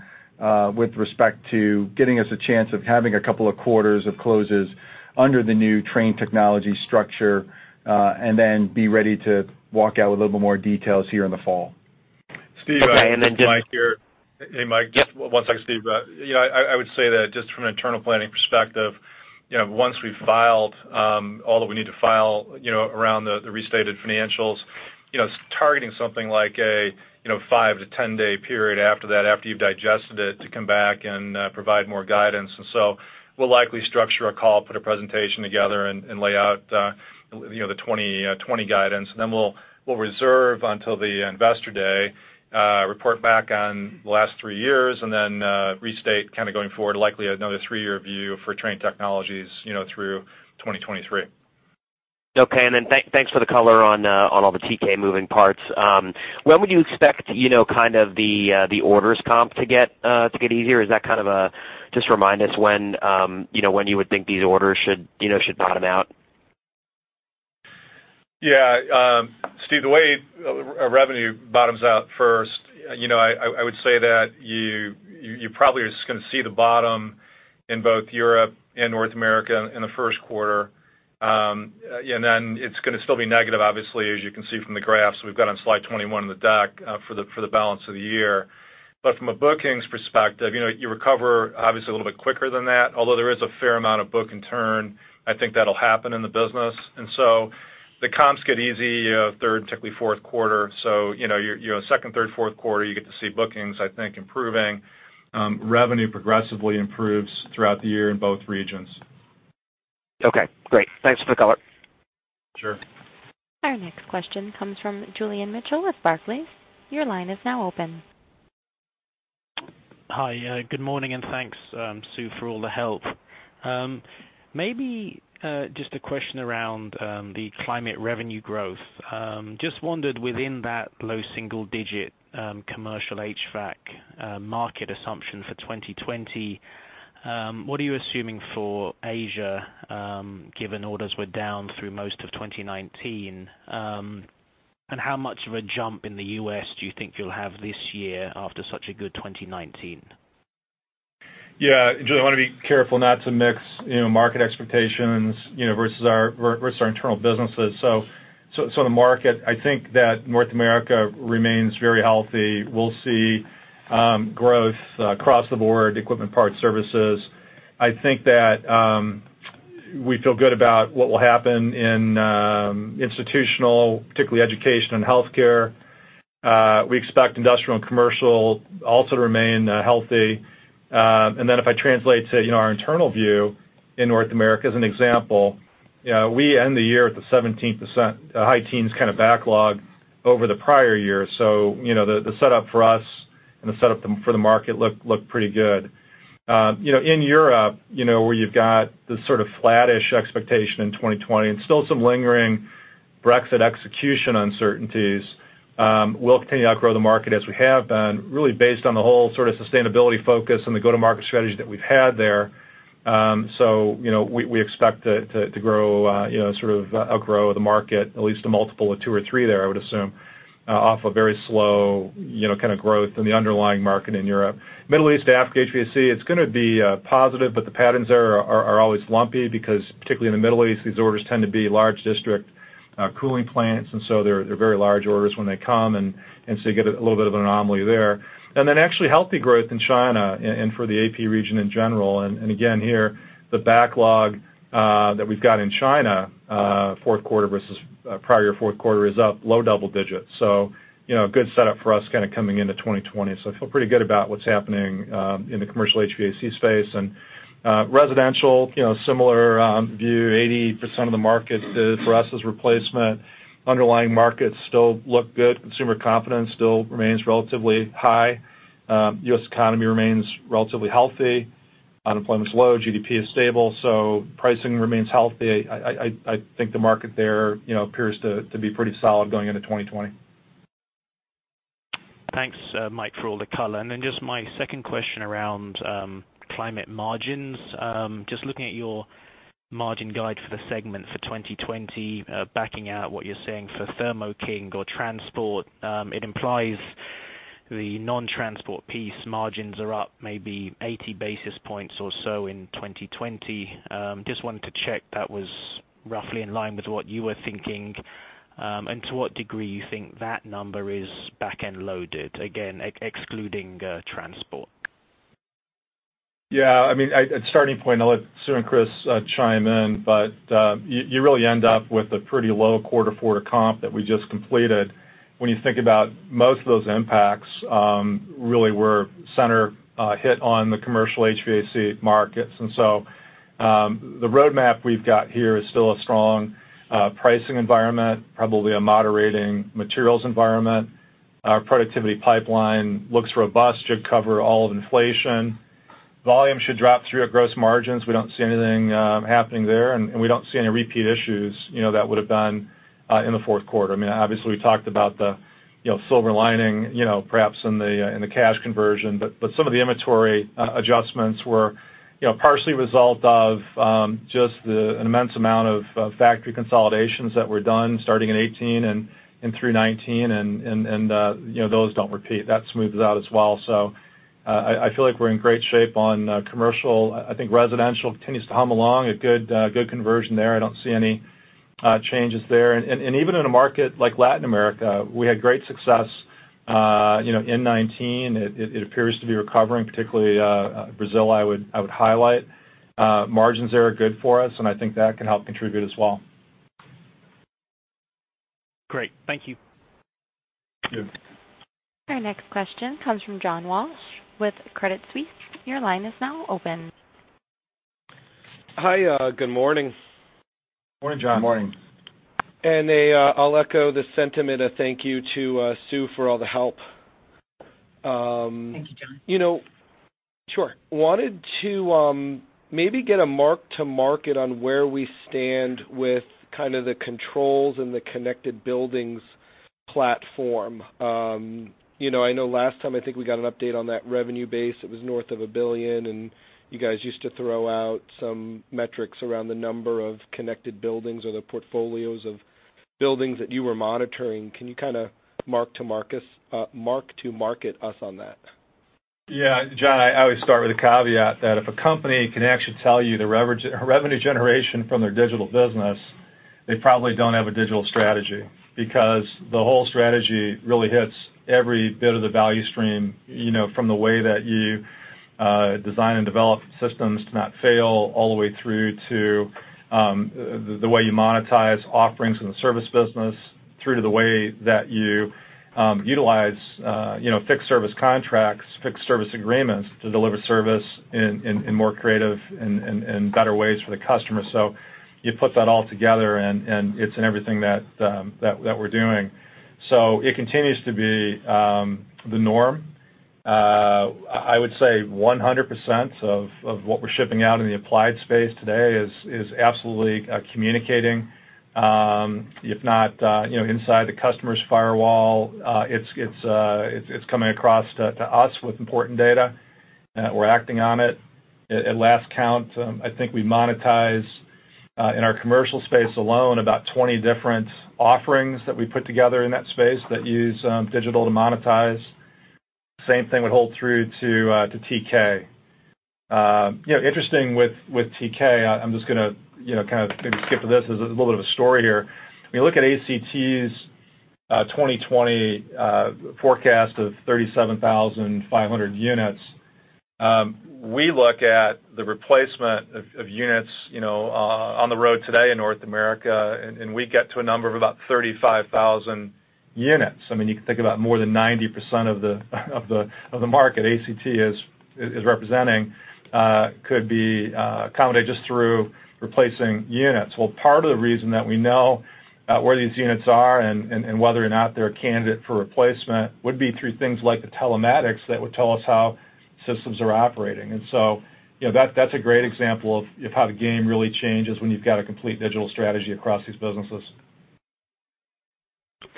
with respect to getting us a chance of having a couple of quarters of closes under the new Trane Technologies structure and then be ready to walk out with a little bit more details here in the fall. Okay. Steve, this is Mike here. Hey, Mike. Yep. One sec, Steve. I would say that just from an internal planning perspective, once we've filed all that we need to file around the restated financials, targeting something like a 5-10-day period after that, after you've digested it, to come back and provide more guidance. We'll likely structure a call, put a presentation together, and lay out the 2020 guidance. We'll reserve until the investor day, report back on the last three years, and then restate kind of going forward, likely another three-year view for Trane Technologies through 2023. Okay. Thanks for the color on all the TK moving parts. When would you expect the orders comp to get easier? Is that kind of just remind us when you would think these orders should bottom out? Yeah. Steve, the way a revenue bottoms out 1st, I would say that you probably are just going to see the bottom in both Europe and North America in the Q1. It's going to still be negative, obviously, as you can see from the graphs we've got on slide 21 of the deck for the balance of the year. From a bookings perspective, you recover obviously a little bit quicker than that, although there is a fair amount of book in turn. I think that'll happen in the business. The comps get easy Q3, typically Q4. So Q2, Q3, Q4, you get to see bookings, I think, improving. Revenue progressively improves throughout the year in both regions. Okay, great. Thanks for the color. Sure. Our next question comes from Julian Mitchell with Barclays. Your line is now open. Hi. Good morning. Thanks, Sue, for all the help. Maybe just a question around the climate revenue growth. Just wondered within that low single digit commercial HVAC market assumption for 2020, what are you assuming for Asia, given orders were down through most of 2019? How much of a jump in the U.S. do you think you'll have this year after such a good 2019? Yeah. Julian, I want to be careful not to mix market expectations versus our internal businesses. The market, I think that North America remains very healthy. We'll see growth across the board, equipment, parts, services. I think that we feel good about what will happen in institutional, particularly education and healthcare. We expect industrial and commercial also to remain healthy. If I translate to our internal view in North America as an example, we end the year at the 17%, high teens kind of backlog over the prior year. The setup for us and the setup for the market look pretty good. In Europe, where you've got this sort of flat-ish expectation in 2020 and still some lingering Brexit execution uncertainties, we'll continue to outgrow the market as we have been, really based on the whole sort of sustainability focus and the go-to-market strategy that we've had there. We expect to outgrow the market at least a multiple of two or three there, I would assume, off a very slow growth in the underlying market in Europe. Middle East, Africa, HVAC, it's going to be positive, but the patterns there are always lumpy because particularly in the Middle East, these orders tend to be large district cooling plants, and so they're very large orders when they come, and so you get a little bit of an anomaly there. Actually healthy growth in China and for the AP region in general. Again, here, the backlog that we've got in China fourth quarter versus prior fourth quarter is up low double digits. A good setup for us coming into 2020. I feel pretty good about what's happening in the commercial HVAC space. Residential, similar view, 80% of the market for us is replacement. Underlying markets still look good. Consumer confidence still remains relatively high. U.S. economy remains relatively healthy. Unemployment is low. GDP is stable, pricing remains healthy. I think the market there appears to be pretty solid going into 2020. Thanks, Mike, for all the color. Just my second question around climate margins. Just looking at your margin guide for the segment for 2020, backing out what you're saying for Thermo King or transport, it implies the non-transport piece margins are up maybe 80 basis points or so in 2020. Just wanted to check that was roughly in line with what you were thinking. To what degree you think that number is backend loaded, again, excluding transport. Starting point, I'll let Sue and Chris chime in, but you really end up with a pretty low quarter-to-quarter comp that we just completed. When you think about most of those impacts really were center hit on the commercial HVAC markets. The roadmap we've got here is still a strong pricing environment, probably a moderating materials environment. Our productivity pipeline looks robust, should cover all of inflation. Volume should drop through our gross margins. We don't see anything happening there, and we don't see any repeat issues that would have been in the fourth quarter. Obviously, we talked about the silver lining perhaps in the cash conversion, but some of the inventory adjustments were partially a result of just an immense amount of factory consolidations that were done starting in 2018 and through 2019 and those don't repeat. That smooths out as well. I feel like we're in great shape on commercial. I think residential continues to hum along. A good conversion there. I don't see any changes there. Even in a market like Latin America, we had great success in 2019. It appears to be recovering, particularly Brazil, I would highlight. Margins there are good for us, and I think that can help contribute as well. Great. Thank you. Yeah. Our next question comes from John Walsh with Credit Suisse. Your line is now open. Hi. Good morning. Morning, John. Good morning. I'll echo the sentiment of thank you to Sue for all the help. Thank you, John. Sure. I wanted to maybe get a mark to market on where we stand with kind of the controls and the connected buildings platform. I know last time, I think we got an update on that revenue base. It was north of a billion, and you guys used to throw out some metrics around the number of connected buildings or the portfolios of buildings that you were monitoring. Can you kind of mark to market us on that? Yeah. John, I always start with a caveat that if a company can actually tell you their revenue generation from their digital business, they probably don't have a digital strategy because the whole strategy really hits every bit of the value stream, from the way that you design and develop systems to not fail all the way through to the way you monetize offerings in the service business, through to the way that you utilize fixed service contracts, fixed service agreements to deliver service in more creative and better ways for the customer. You put that all together, and it's in everything that we're doing. It continues to be the norm. I would say 100% of what we're shipping out in the applied space today is absolutely communicating. If not inside the customer's firewall, it's coming across to us with important data. We're acting on it. At last count, I think we monetize, in our commercial space alone, about 20 different offerings that we put together in that space that use digital to monetize. Same thing would hold true to TK. Interesting with TK, I'm just going to maybe skip to this. There's a little bit of a story here. When you look at ACT's 2020 forecast of 37,500 units, we look at the replacement of units on the road today in North America, and we get to a number of about 35,000 units. You can think about more than 90% of the market ACT is representing could be accommodated just through replacing units. Part of the reason that we know where these units are and whether or not they're a candidate for replacement would be through things like the telematics that would tell us how systems are operating. That's a great example of how the game really changes when you've got a complete digital strategy across these businesses.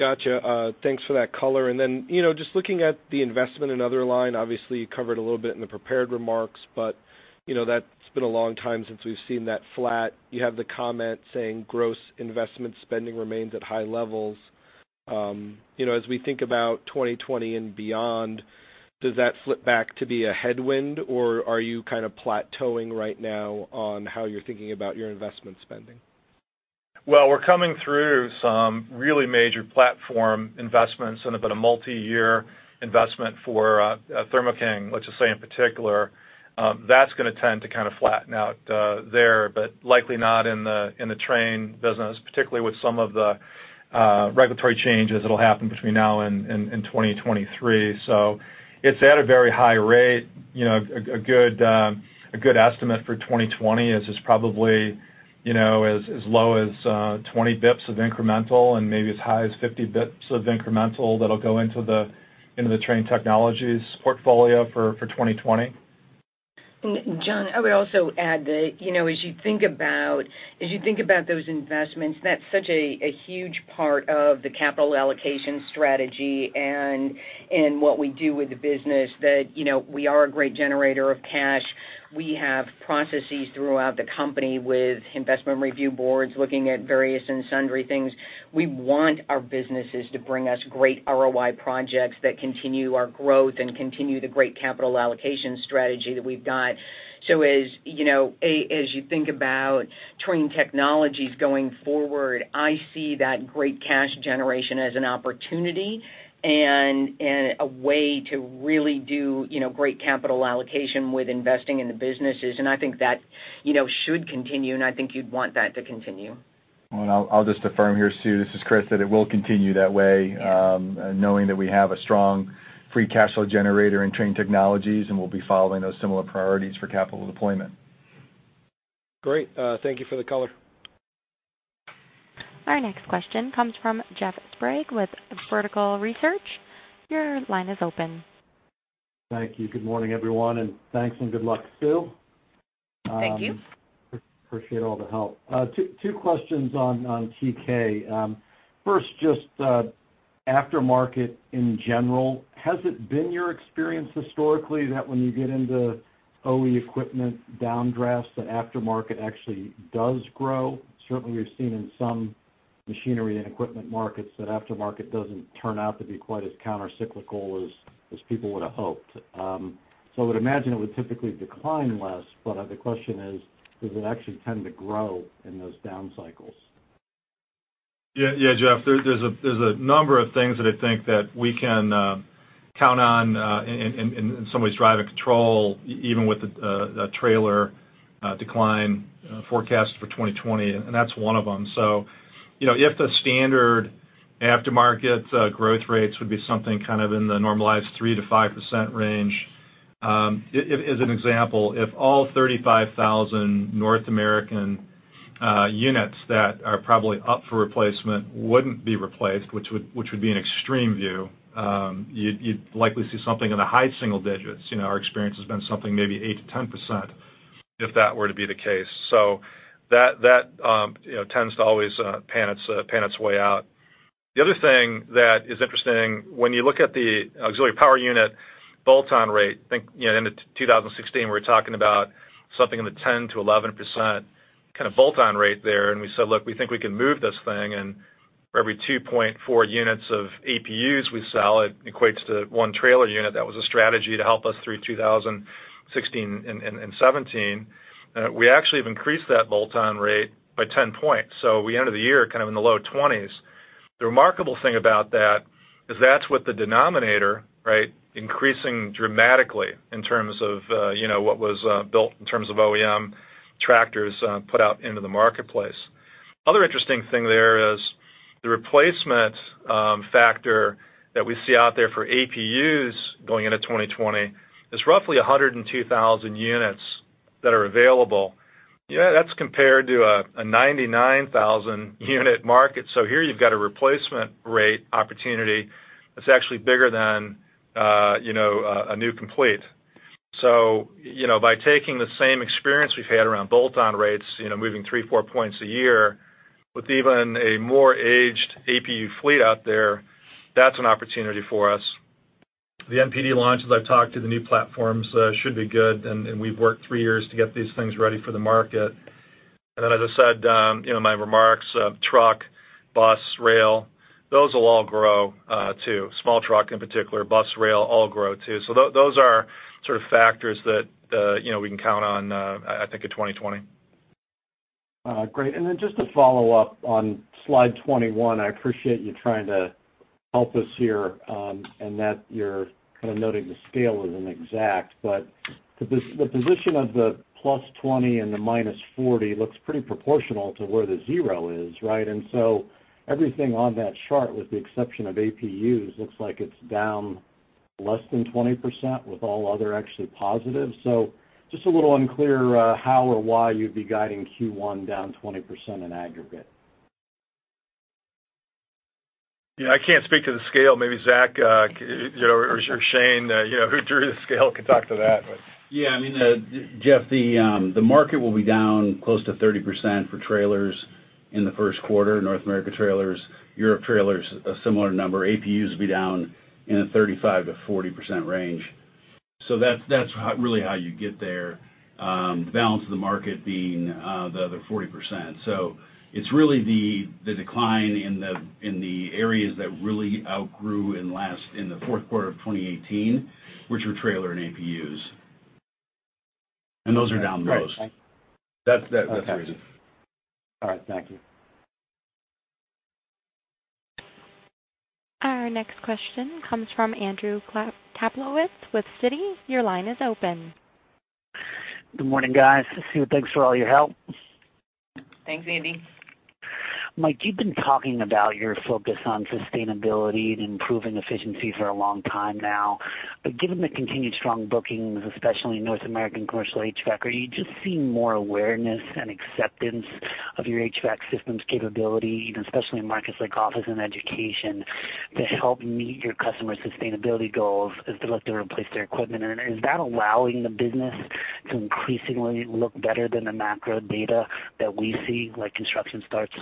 Got you. Thanks for that color. Just looking at the investment and other line, obviously, you covered a little bit in the prepared remarks, but that's been a long time since we've seen that flat. You have the comment saying gross investment spending remains at high levels. As we think about 2020 and beyond, does that flip back to be a headwind, or are you plateauing right now on how you're thinking about your investment spending? We're coming through some really major platform investments and about a multi-year investment for Thermo King, let's just say in particular. That's going to tend to flatten out there, but likely not in the Trane business, particularly with some of the regulatory changes that'll happen between now and 2023. It's at a very high rate. A good estimate for 2020 is probably as low as 20 bps of incremental and maybe as high as 50 bps of incremental that'll go into the Trane Technologies portfolio for 2020. John, I would also add that as you think about those investments, that's such a huge part of the capital allocation strategy and what we do with the business that we are a great generator of cash. We have processes throughout the company with investment review boards looking at various and sundry things. We want our businesses to bring us great ROI projects that continue our growth and continue the great capital allocation strategy that we've got. As you think about Trane Technologies going forward, I see that great cash generation as an opportunity and a way to really do great capital allocation with investing in the businesses, and I think that should continue, and I think you'd want that to continue. I'll just affirm here, Sue, this is Chris, that it will continue that way. Yes. Knowing that we have a strong free cash flow generator in Trane Technologies, and we'll be following those similar priorities for CapEx deployment. Great. Thank you for the color. Our next question comes from Jeff Sprague with Vertical Research. Your line is open. Thank you. Good morning, everyone, and thanks and good luck, Sue. Thank you. Appreciate all the help. Two questions on TK. First, just aftermarket in general, has it been your experience historically that when you get into OE equipment downdrafts, the aftermarket actually does grow? Certainly, we've seen in some machinery and equipment markets that aftermarket doesn't turn out to be quite as counter-cyclical as people would have hoped. I would imagine it would typically decline less, but the question is, does it actually tend to grow in those down cycles? Yeah, Jeff. There is a number of things that I think that we can count on in some ways, drive and control, even with the trailer decline forecast for 2020, and that is one of them. If the standard aftermarket growth rates would be something in the normalized 3%-5% range, as an example, if all 35,000 North American units that are probably up for replacement would not be replaced, which would be an extreme view, you would likely see something in the high single digits. Our experience has been something maybe 8%-10%, if that were to be the case. That tends to always pan its way out. The other thing that is interesting, when you look at the auxiliary power unit bolt-on rate, I think end of 2016, we were talking about something in the 10%-11% kind of bolt-on rate there. We said, "Look, we think we can move this thing," and for every 2.4 units of APUs we sell, it equates to one trailer unit. That was a strategy to help us through 2016 and 2017. We actually have increased that bolt-on rate by 10 points. We ended the year in the low 20s. The remarkable thing about that is that's what the denominator, increasing dramatically in terms of what was built in terms of OEM tractors put out into the marketplace. Other interesting thing there is the replacement factor that we see out there for APUs going into 2020 is roughly 102,000 units that are available. Yeah, that's compared to a 99,000 unit market. Here you've got a replacement rate opportunity that's actually bigger than a new complete. By taking the same experience we've had around bolt-on rates, moving three, four points a year with even a more aged APU fleet out there, that's an opportunity for us. The NPD launches I've talked to, the new platforms should be good, and we've worked three years to get these things ready for the market. Then, as I said in my remarks truck, bus, rail, those will all grow, too. Small truck in particular, bus, rail, all grow, too. Those are sort of factors that we can count on, I think, in 2020. Great. Just to follow up on slide 21, I appreciate you trying to help us here, and that you're kind of noting the scale isn't exact, but the position of the +20 and the -40 looks pretty proportional to where the zero is, right? Everything on that chart, with the exception of APUs, looks like it's down less than 20% with all other actually positive. Just a little unclear how or why you'd be guiding Q1 down 20% in aggregate. Yeah, I can't speak to the scale. Maybe Zac or Shane, who drew the scale, could talk to that, but. Yeah, I mean, Jeff, the market will be down close to 30% for trailers in the first quarter. North America trailers, Europe trailers, a similar number. APUs will be down in a 35%-40% range. That's really how you get there. The balance of the market being the other 40%. It's really the decline in the areas that really outgrew in the fourth quarter of 2018, which were trailer and APUs. Those are down the most. Right. Okay. That's the reason. All right. Thank you. Our next question comes from Andrew Kaplowitz with Citi. Your line is open. Good morning, guys. Sue, thanks for all your help. Thanks, Andy. Mike, you've been talking about your focus on sustainability and improving efficiency for a long time now, but given the continued strong bookings, especially in North American commercial HVAC, are you just seeing more awareness and acceptance of your HVAC systems capability, especially in markets like office and education, to help meet your customers' sustainability goals as they look to replace their equipment? Is that allowing the business to increasingly look better than the macro data that we see, like construction starts?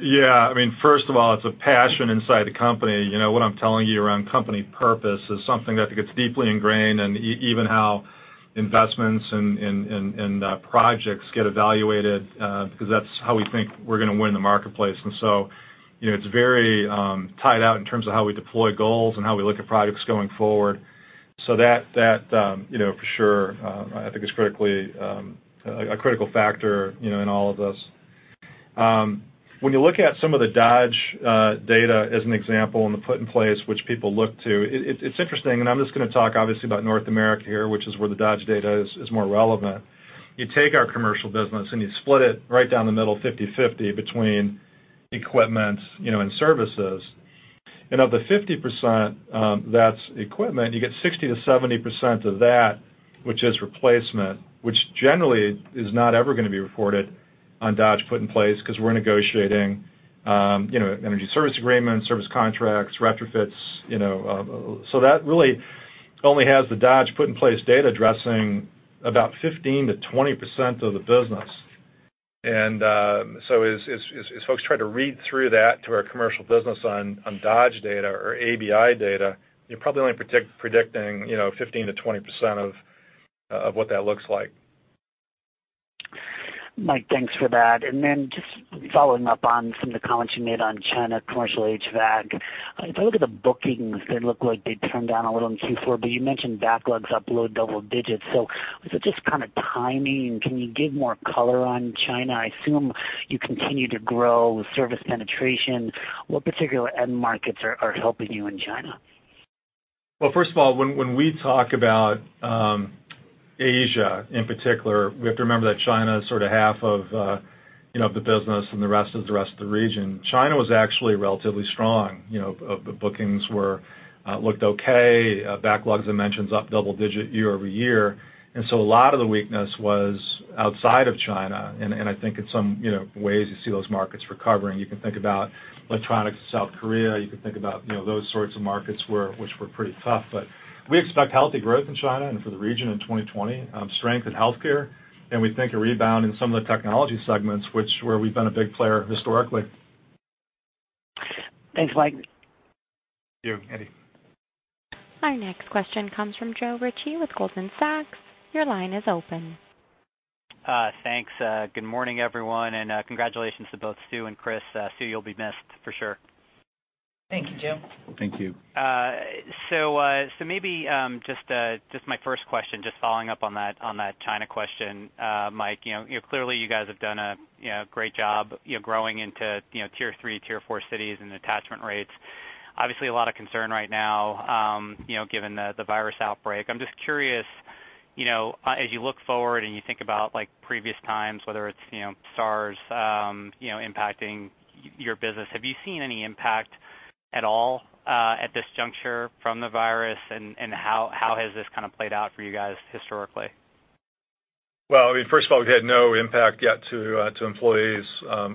Yeah, I mean, first of all, it's a passion inside the company. What I'm telling you around company purpose is something that I think it's deeply ingrained and even how investments and projects get evaluated, because that's how we think we're going to win in the marketplace. It's very tied out in terms of how we deploy goals and how we look at products going forward. That, for sure, I think is a critical factor in all of this. When you look at some of the Dodge Data as an example, and the put in place which people look to, it's interesting, I'm just going to talk obviously about North America here, which is where the Dodge Data is more relevant. You take our commercial business and you split it right down the middle, 50/50 between equipment and services. Of the 50% that's equipment, you get 60%-70% of that, which is replacement, which generally is not ever going to be reported on Dodge put in place because we're negotiating energy service agreements, service contracts, retrofits. That really only has the Dodge put in place data addressing about 15%-20% of the business. As folks try to read through that to our commercial business on Dodge data or ABI data, you're probably only predicting 15%-20% of what that looks like. Mike, thanks for that. Just following up on some of the comments you made on China commercial HVAC. If I look at the bookings, they look like they'd turned down a little in Q4, but you mentioned backlogs up low double digits. Is it just kind of timing? Can you give more color on China? I assume you continue to grow with service penetration. What particular end markets are helping you in China? Well, first of all, when we talk about Asia in particular, we have to remember that China is sort of half of the business and the rest is the rest of the region. China was actually relatively strong. The bookings looked okay. Backlogs, dimensions up double-digit year-over-year. A lot of the weakness was outside of China, and I think in some ways you see those markets recovering. You can think about electronics in South Korea. You can think about those sorts of markets which were pretty tough. We expect healthy growth in China and for the region in 2020. Strength in healthcare, and we think a rebound in some of the technology segments, where we've been a big player historically. Thanks, Mike. Thank you, Andy. Our next question comes from Joe Ritchie with Goldman Sachs. Your line is open. Thanks. Good morning, everyone, and congratulations to both Sue and Chris. Sue, you'll be missed for sure. Thank you, Joe. Thank you. Maybe just my first question, just following up on that China question, Mike. Clearly you guys have done a great job growing into tier three, tier four cities and attachment rates. Obviously a lot of concern right now, given the virus outbreak. I'm just curious, as you look forward and you think about previous times, whether it's SARS impacting your business, have you seen any impact at all at this juncture from the virus, and how has this played out for you guys historically? Well, first of all, we had no impact yet to employees,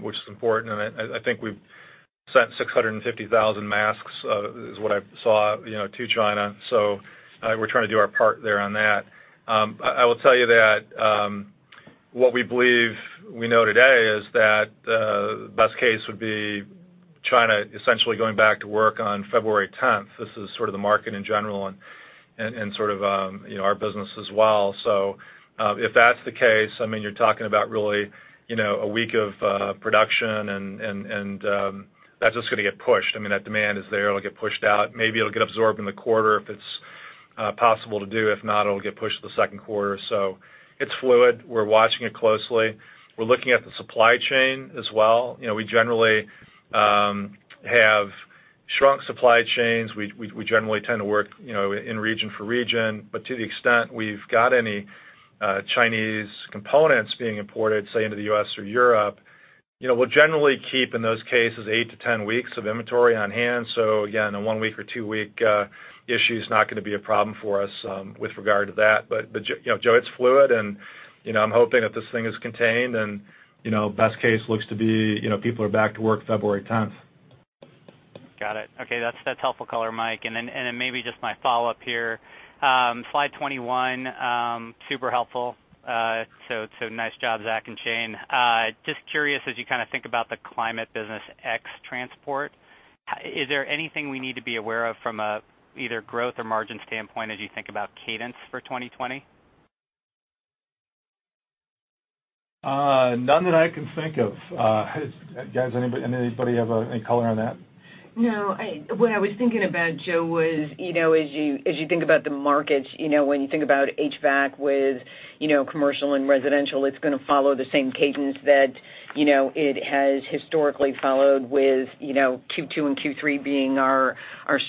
which is important. I think we've sent 650,000 masks, is what I saw, to China. We're trying to do our part there on that. I will tell you that what we believe we know today is that the best case would be China essentially going back to work on February 10th. This is sort of the market in general and our business as well. If that's the case, you're talking about really a week of production and that's just going to get pushed. That demand is there. It'll get pushed out. Maybe it'll get absorbed in the quarter if it's possible to do. If not, it'll get pushed to the second quarter. It's fluid. We're watching it closely. We're looking at the supply chain as well. We generally have shrunk supply chains. We generally tend to work in region for region. To the extent we've got any Chinese components being imported, say into the U.S. or Europe, we'll generally keep, in those cases, 8-10 weeks of inventory on hand. Yeah, in a one week or two week issue's not going to be a problem for us with regard to that. Joe, it's fluid and I'm hoping that this thing is contained and best case looks to be people are back to work February 10th. Got it. Okay, that's helpful color, Mike. Maybe just my follow-up here. Slide 21, super helpful. Nice job, Zac and Shane. Just curious, as you think about the climate business ex-transport, is there anything we need to be aware of from either growth or margin standpoint as you think about cadence for 2020? None that I can think of. Guys, anybody have any color on that? No. What I was thinking about, Joe, was as you think about the markets, when you think about HVAC with commercial and residential, it's going to follow the same cadence that it has historically followed with Q2 and Q3 being our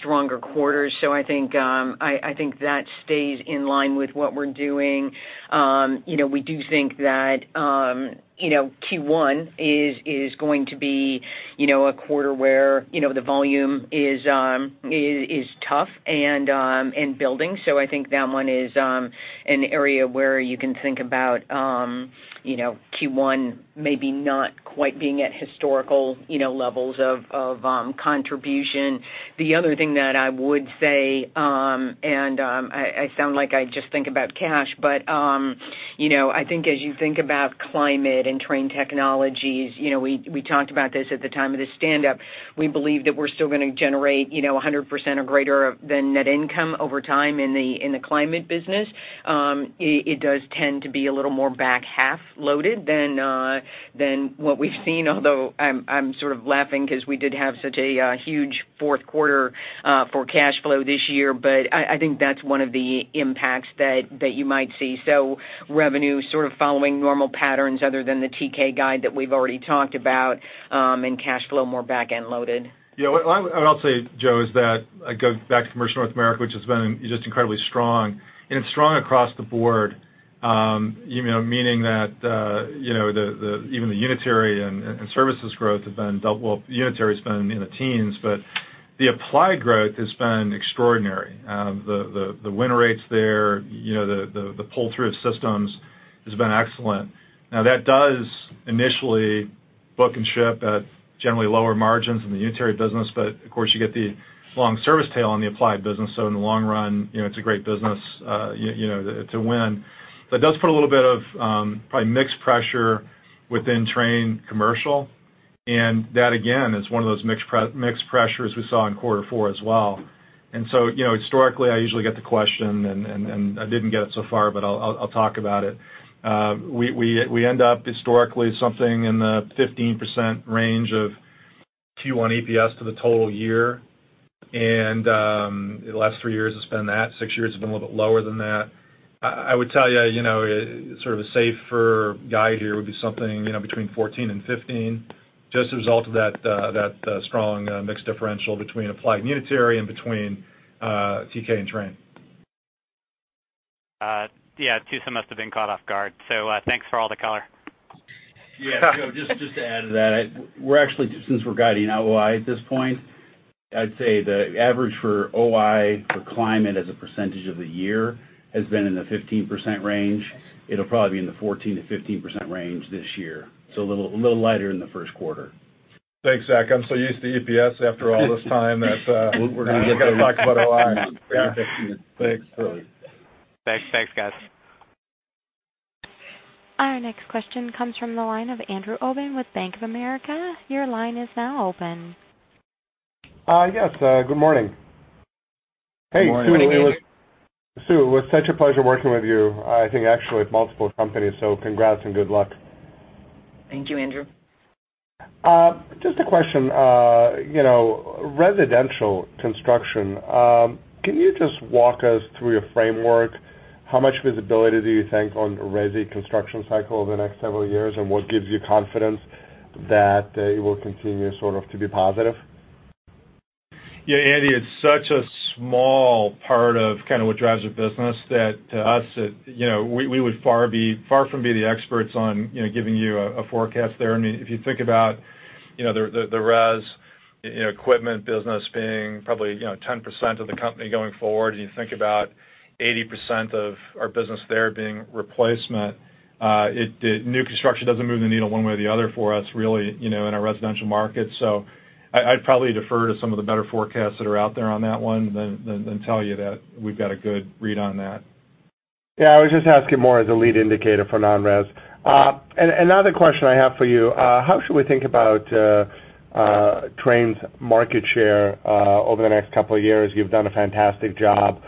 stronger quarters. I think that stays in line with what we're doing. We do think that Q1 is going to be a quarter where the volume is tough and building. I think that one is an area where you can think about Q1 maybe not quite being at historical levels of contribution. The other thing that I would say, and I sound like I just think about cash, but I think as you think about climate and Trane Technologies, we talked about this at the time of the stand-up. We believe that we're still going to generate 100% or greater than net income over time in the climate business. It does tend to be a little more back half loaded than what we've seen. Although I'm sort of laughing because we did have such a huge fourth quarter for cash flow this year. I think that's one of the impacts that you might see. Revenue sort of following normal patterns other than the TK guide that we've already talked about, and cash flow more back-end loaded. Yeah. What I'll say, Joe, is that I go back to commercial North America, which has been just incredibly strong, and it's strong across the board. Meaning that even the unitary and services growth have been double. Well, unitary's been in the teens, but the applied growth has been extraordinary. The win rates there, the pull through of systems has been excellent. Now, that does initially book and ship at generally lower margins in the unitary business. Of course, you get the long service tail on the applied business, so in the long run, it's a great business to win. It does put a little bit of probably mix pressure within Trane commercial, and that, again, is one of those mix pressures we saw in quarter four as well. Historically, I usually get the question, and I didn't get it so far, but I'll talk about it. We end up historically something in the 15% range of Q1 EPS to the total year, and the last three years has been that. Six years has been a little bit lower than that. I would tell you, sort of a safer guide here would be something between 14 and 15, just a result of that strong mix differential between applied and unitary and between TK and Trane. Yeah. Tusa must have been caught off guard. Thanks for all the color. Yeah. Joe, just to add to that, since we're guiding OI at this point, I'd say the average for OI for climate as a percentage of the year has been in the 15% range. It'll probably be in the 14%-15% range this year. A little lighter in the first quarter. Thanks, Zac. I'm so used to EPS after all this time that we're going to talk about OI. Thanks. Thanks, guys. Our next question comes from the line of Andrew Obin with Bank of America. Your line is now open. Yes. Good morning. Good morning, Andrew. Hey, Sue, it was such a pleasure working with you, I think actually at multiple companies. Congrats and good luck. Thank you, Andrew. Just a question. Residential construction. Can you just walk us through your framework? How much visibility do you think on resi construction cycle over the next several years, and what gives you confidence that it will continue to be positive? Yeah, Andy, it's such a small part of what drives your business that to us, we would far from be the experts on giving you a forecast there. You think about the res equipment business being probably 10% of the company going forward, you think about 80% of our business there being replacement, new construction doesn't move the needle one way or the other for us, really, in our residential market. I'd probably defer to some of the better forecasts that are out there on that one than tell you that we've got a good read on that. Yeah, I was just asking more as a lead indicator for non-res. Another question I have for you, how should we think about Trane's market share over the next couple of years? You've done a fantastic job.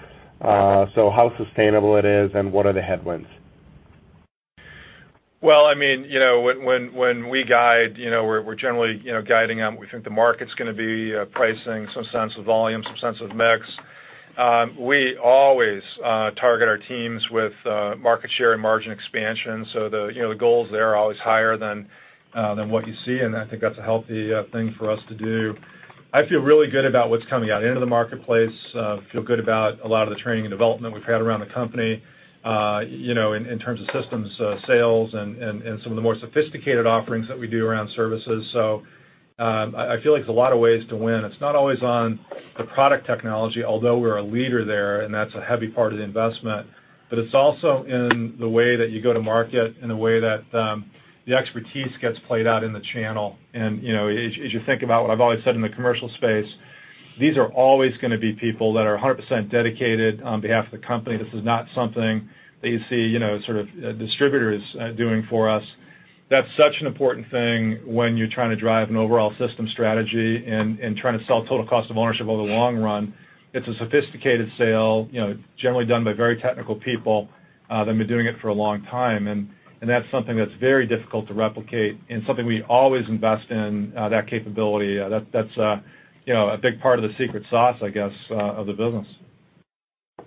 How sustainable it is, and what are the headwinds? When we guide, we're generally guiding on what we think the market's going to be, pricing, some sense of volume, some sense of mix. We always target our teams with market share and margin expansion. The goals there are always higher than what you see, and I think that's a healthy thing for us to do. I feel really good about what's coming out into the marketplace. Feel good about a lot of the training and development we've had around the company, in terms of systems, sales, and some of the more sophisticated offerings that we do around services. I feel like there's a lot of ways to win. It's not always on the product technology, although we're a leader there, and that's a heavy part of the investment. It's also in the way that you go to market and the way that the expertise gets played out in the channel. As you think about what I've always said in the commercial space, these are always going to be people that are 100% dedicated on behalf of the company. This is not something that you see distributors doing for us. That's such an important thing when you're trying to drive an overall system strategy and trying to sell total cost of ownership over the long run. It's a sophisticated sale, generally done by very technical people that have been doing it for a long time. That's something that's very difficult to replicate and something we always invest in, that capability. That's a big part of the secret sauce, I guess, of the business. Thank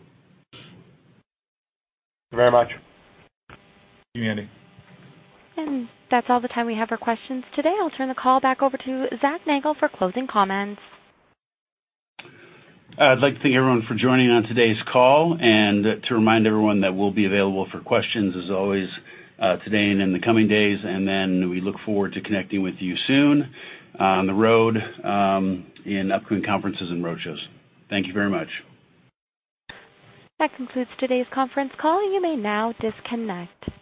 you very much. Thank you, Andy. That's all the time we have for questions today. I'll turn the call back over to Zac Nagle for closing comments. I'd like to thank everyone for joining on today's call and to remind everyone that we'll be available for questions as always today and in the coming days, and then we look forward to connecting with you soon on the road in upcoming conferences and road shows. Thank you very much. That concludes today's conference call. You may now disconnect.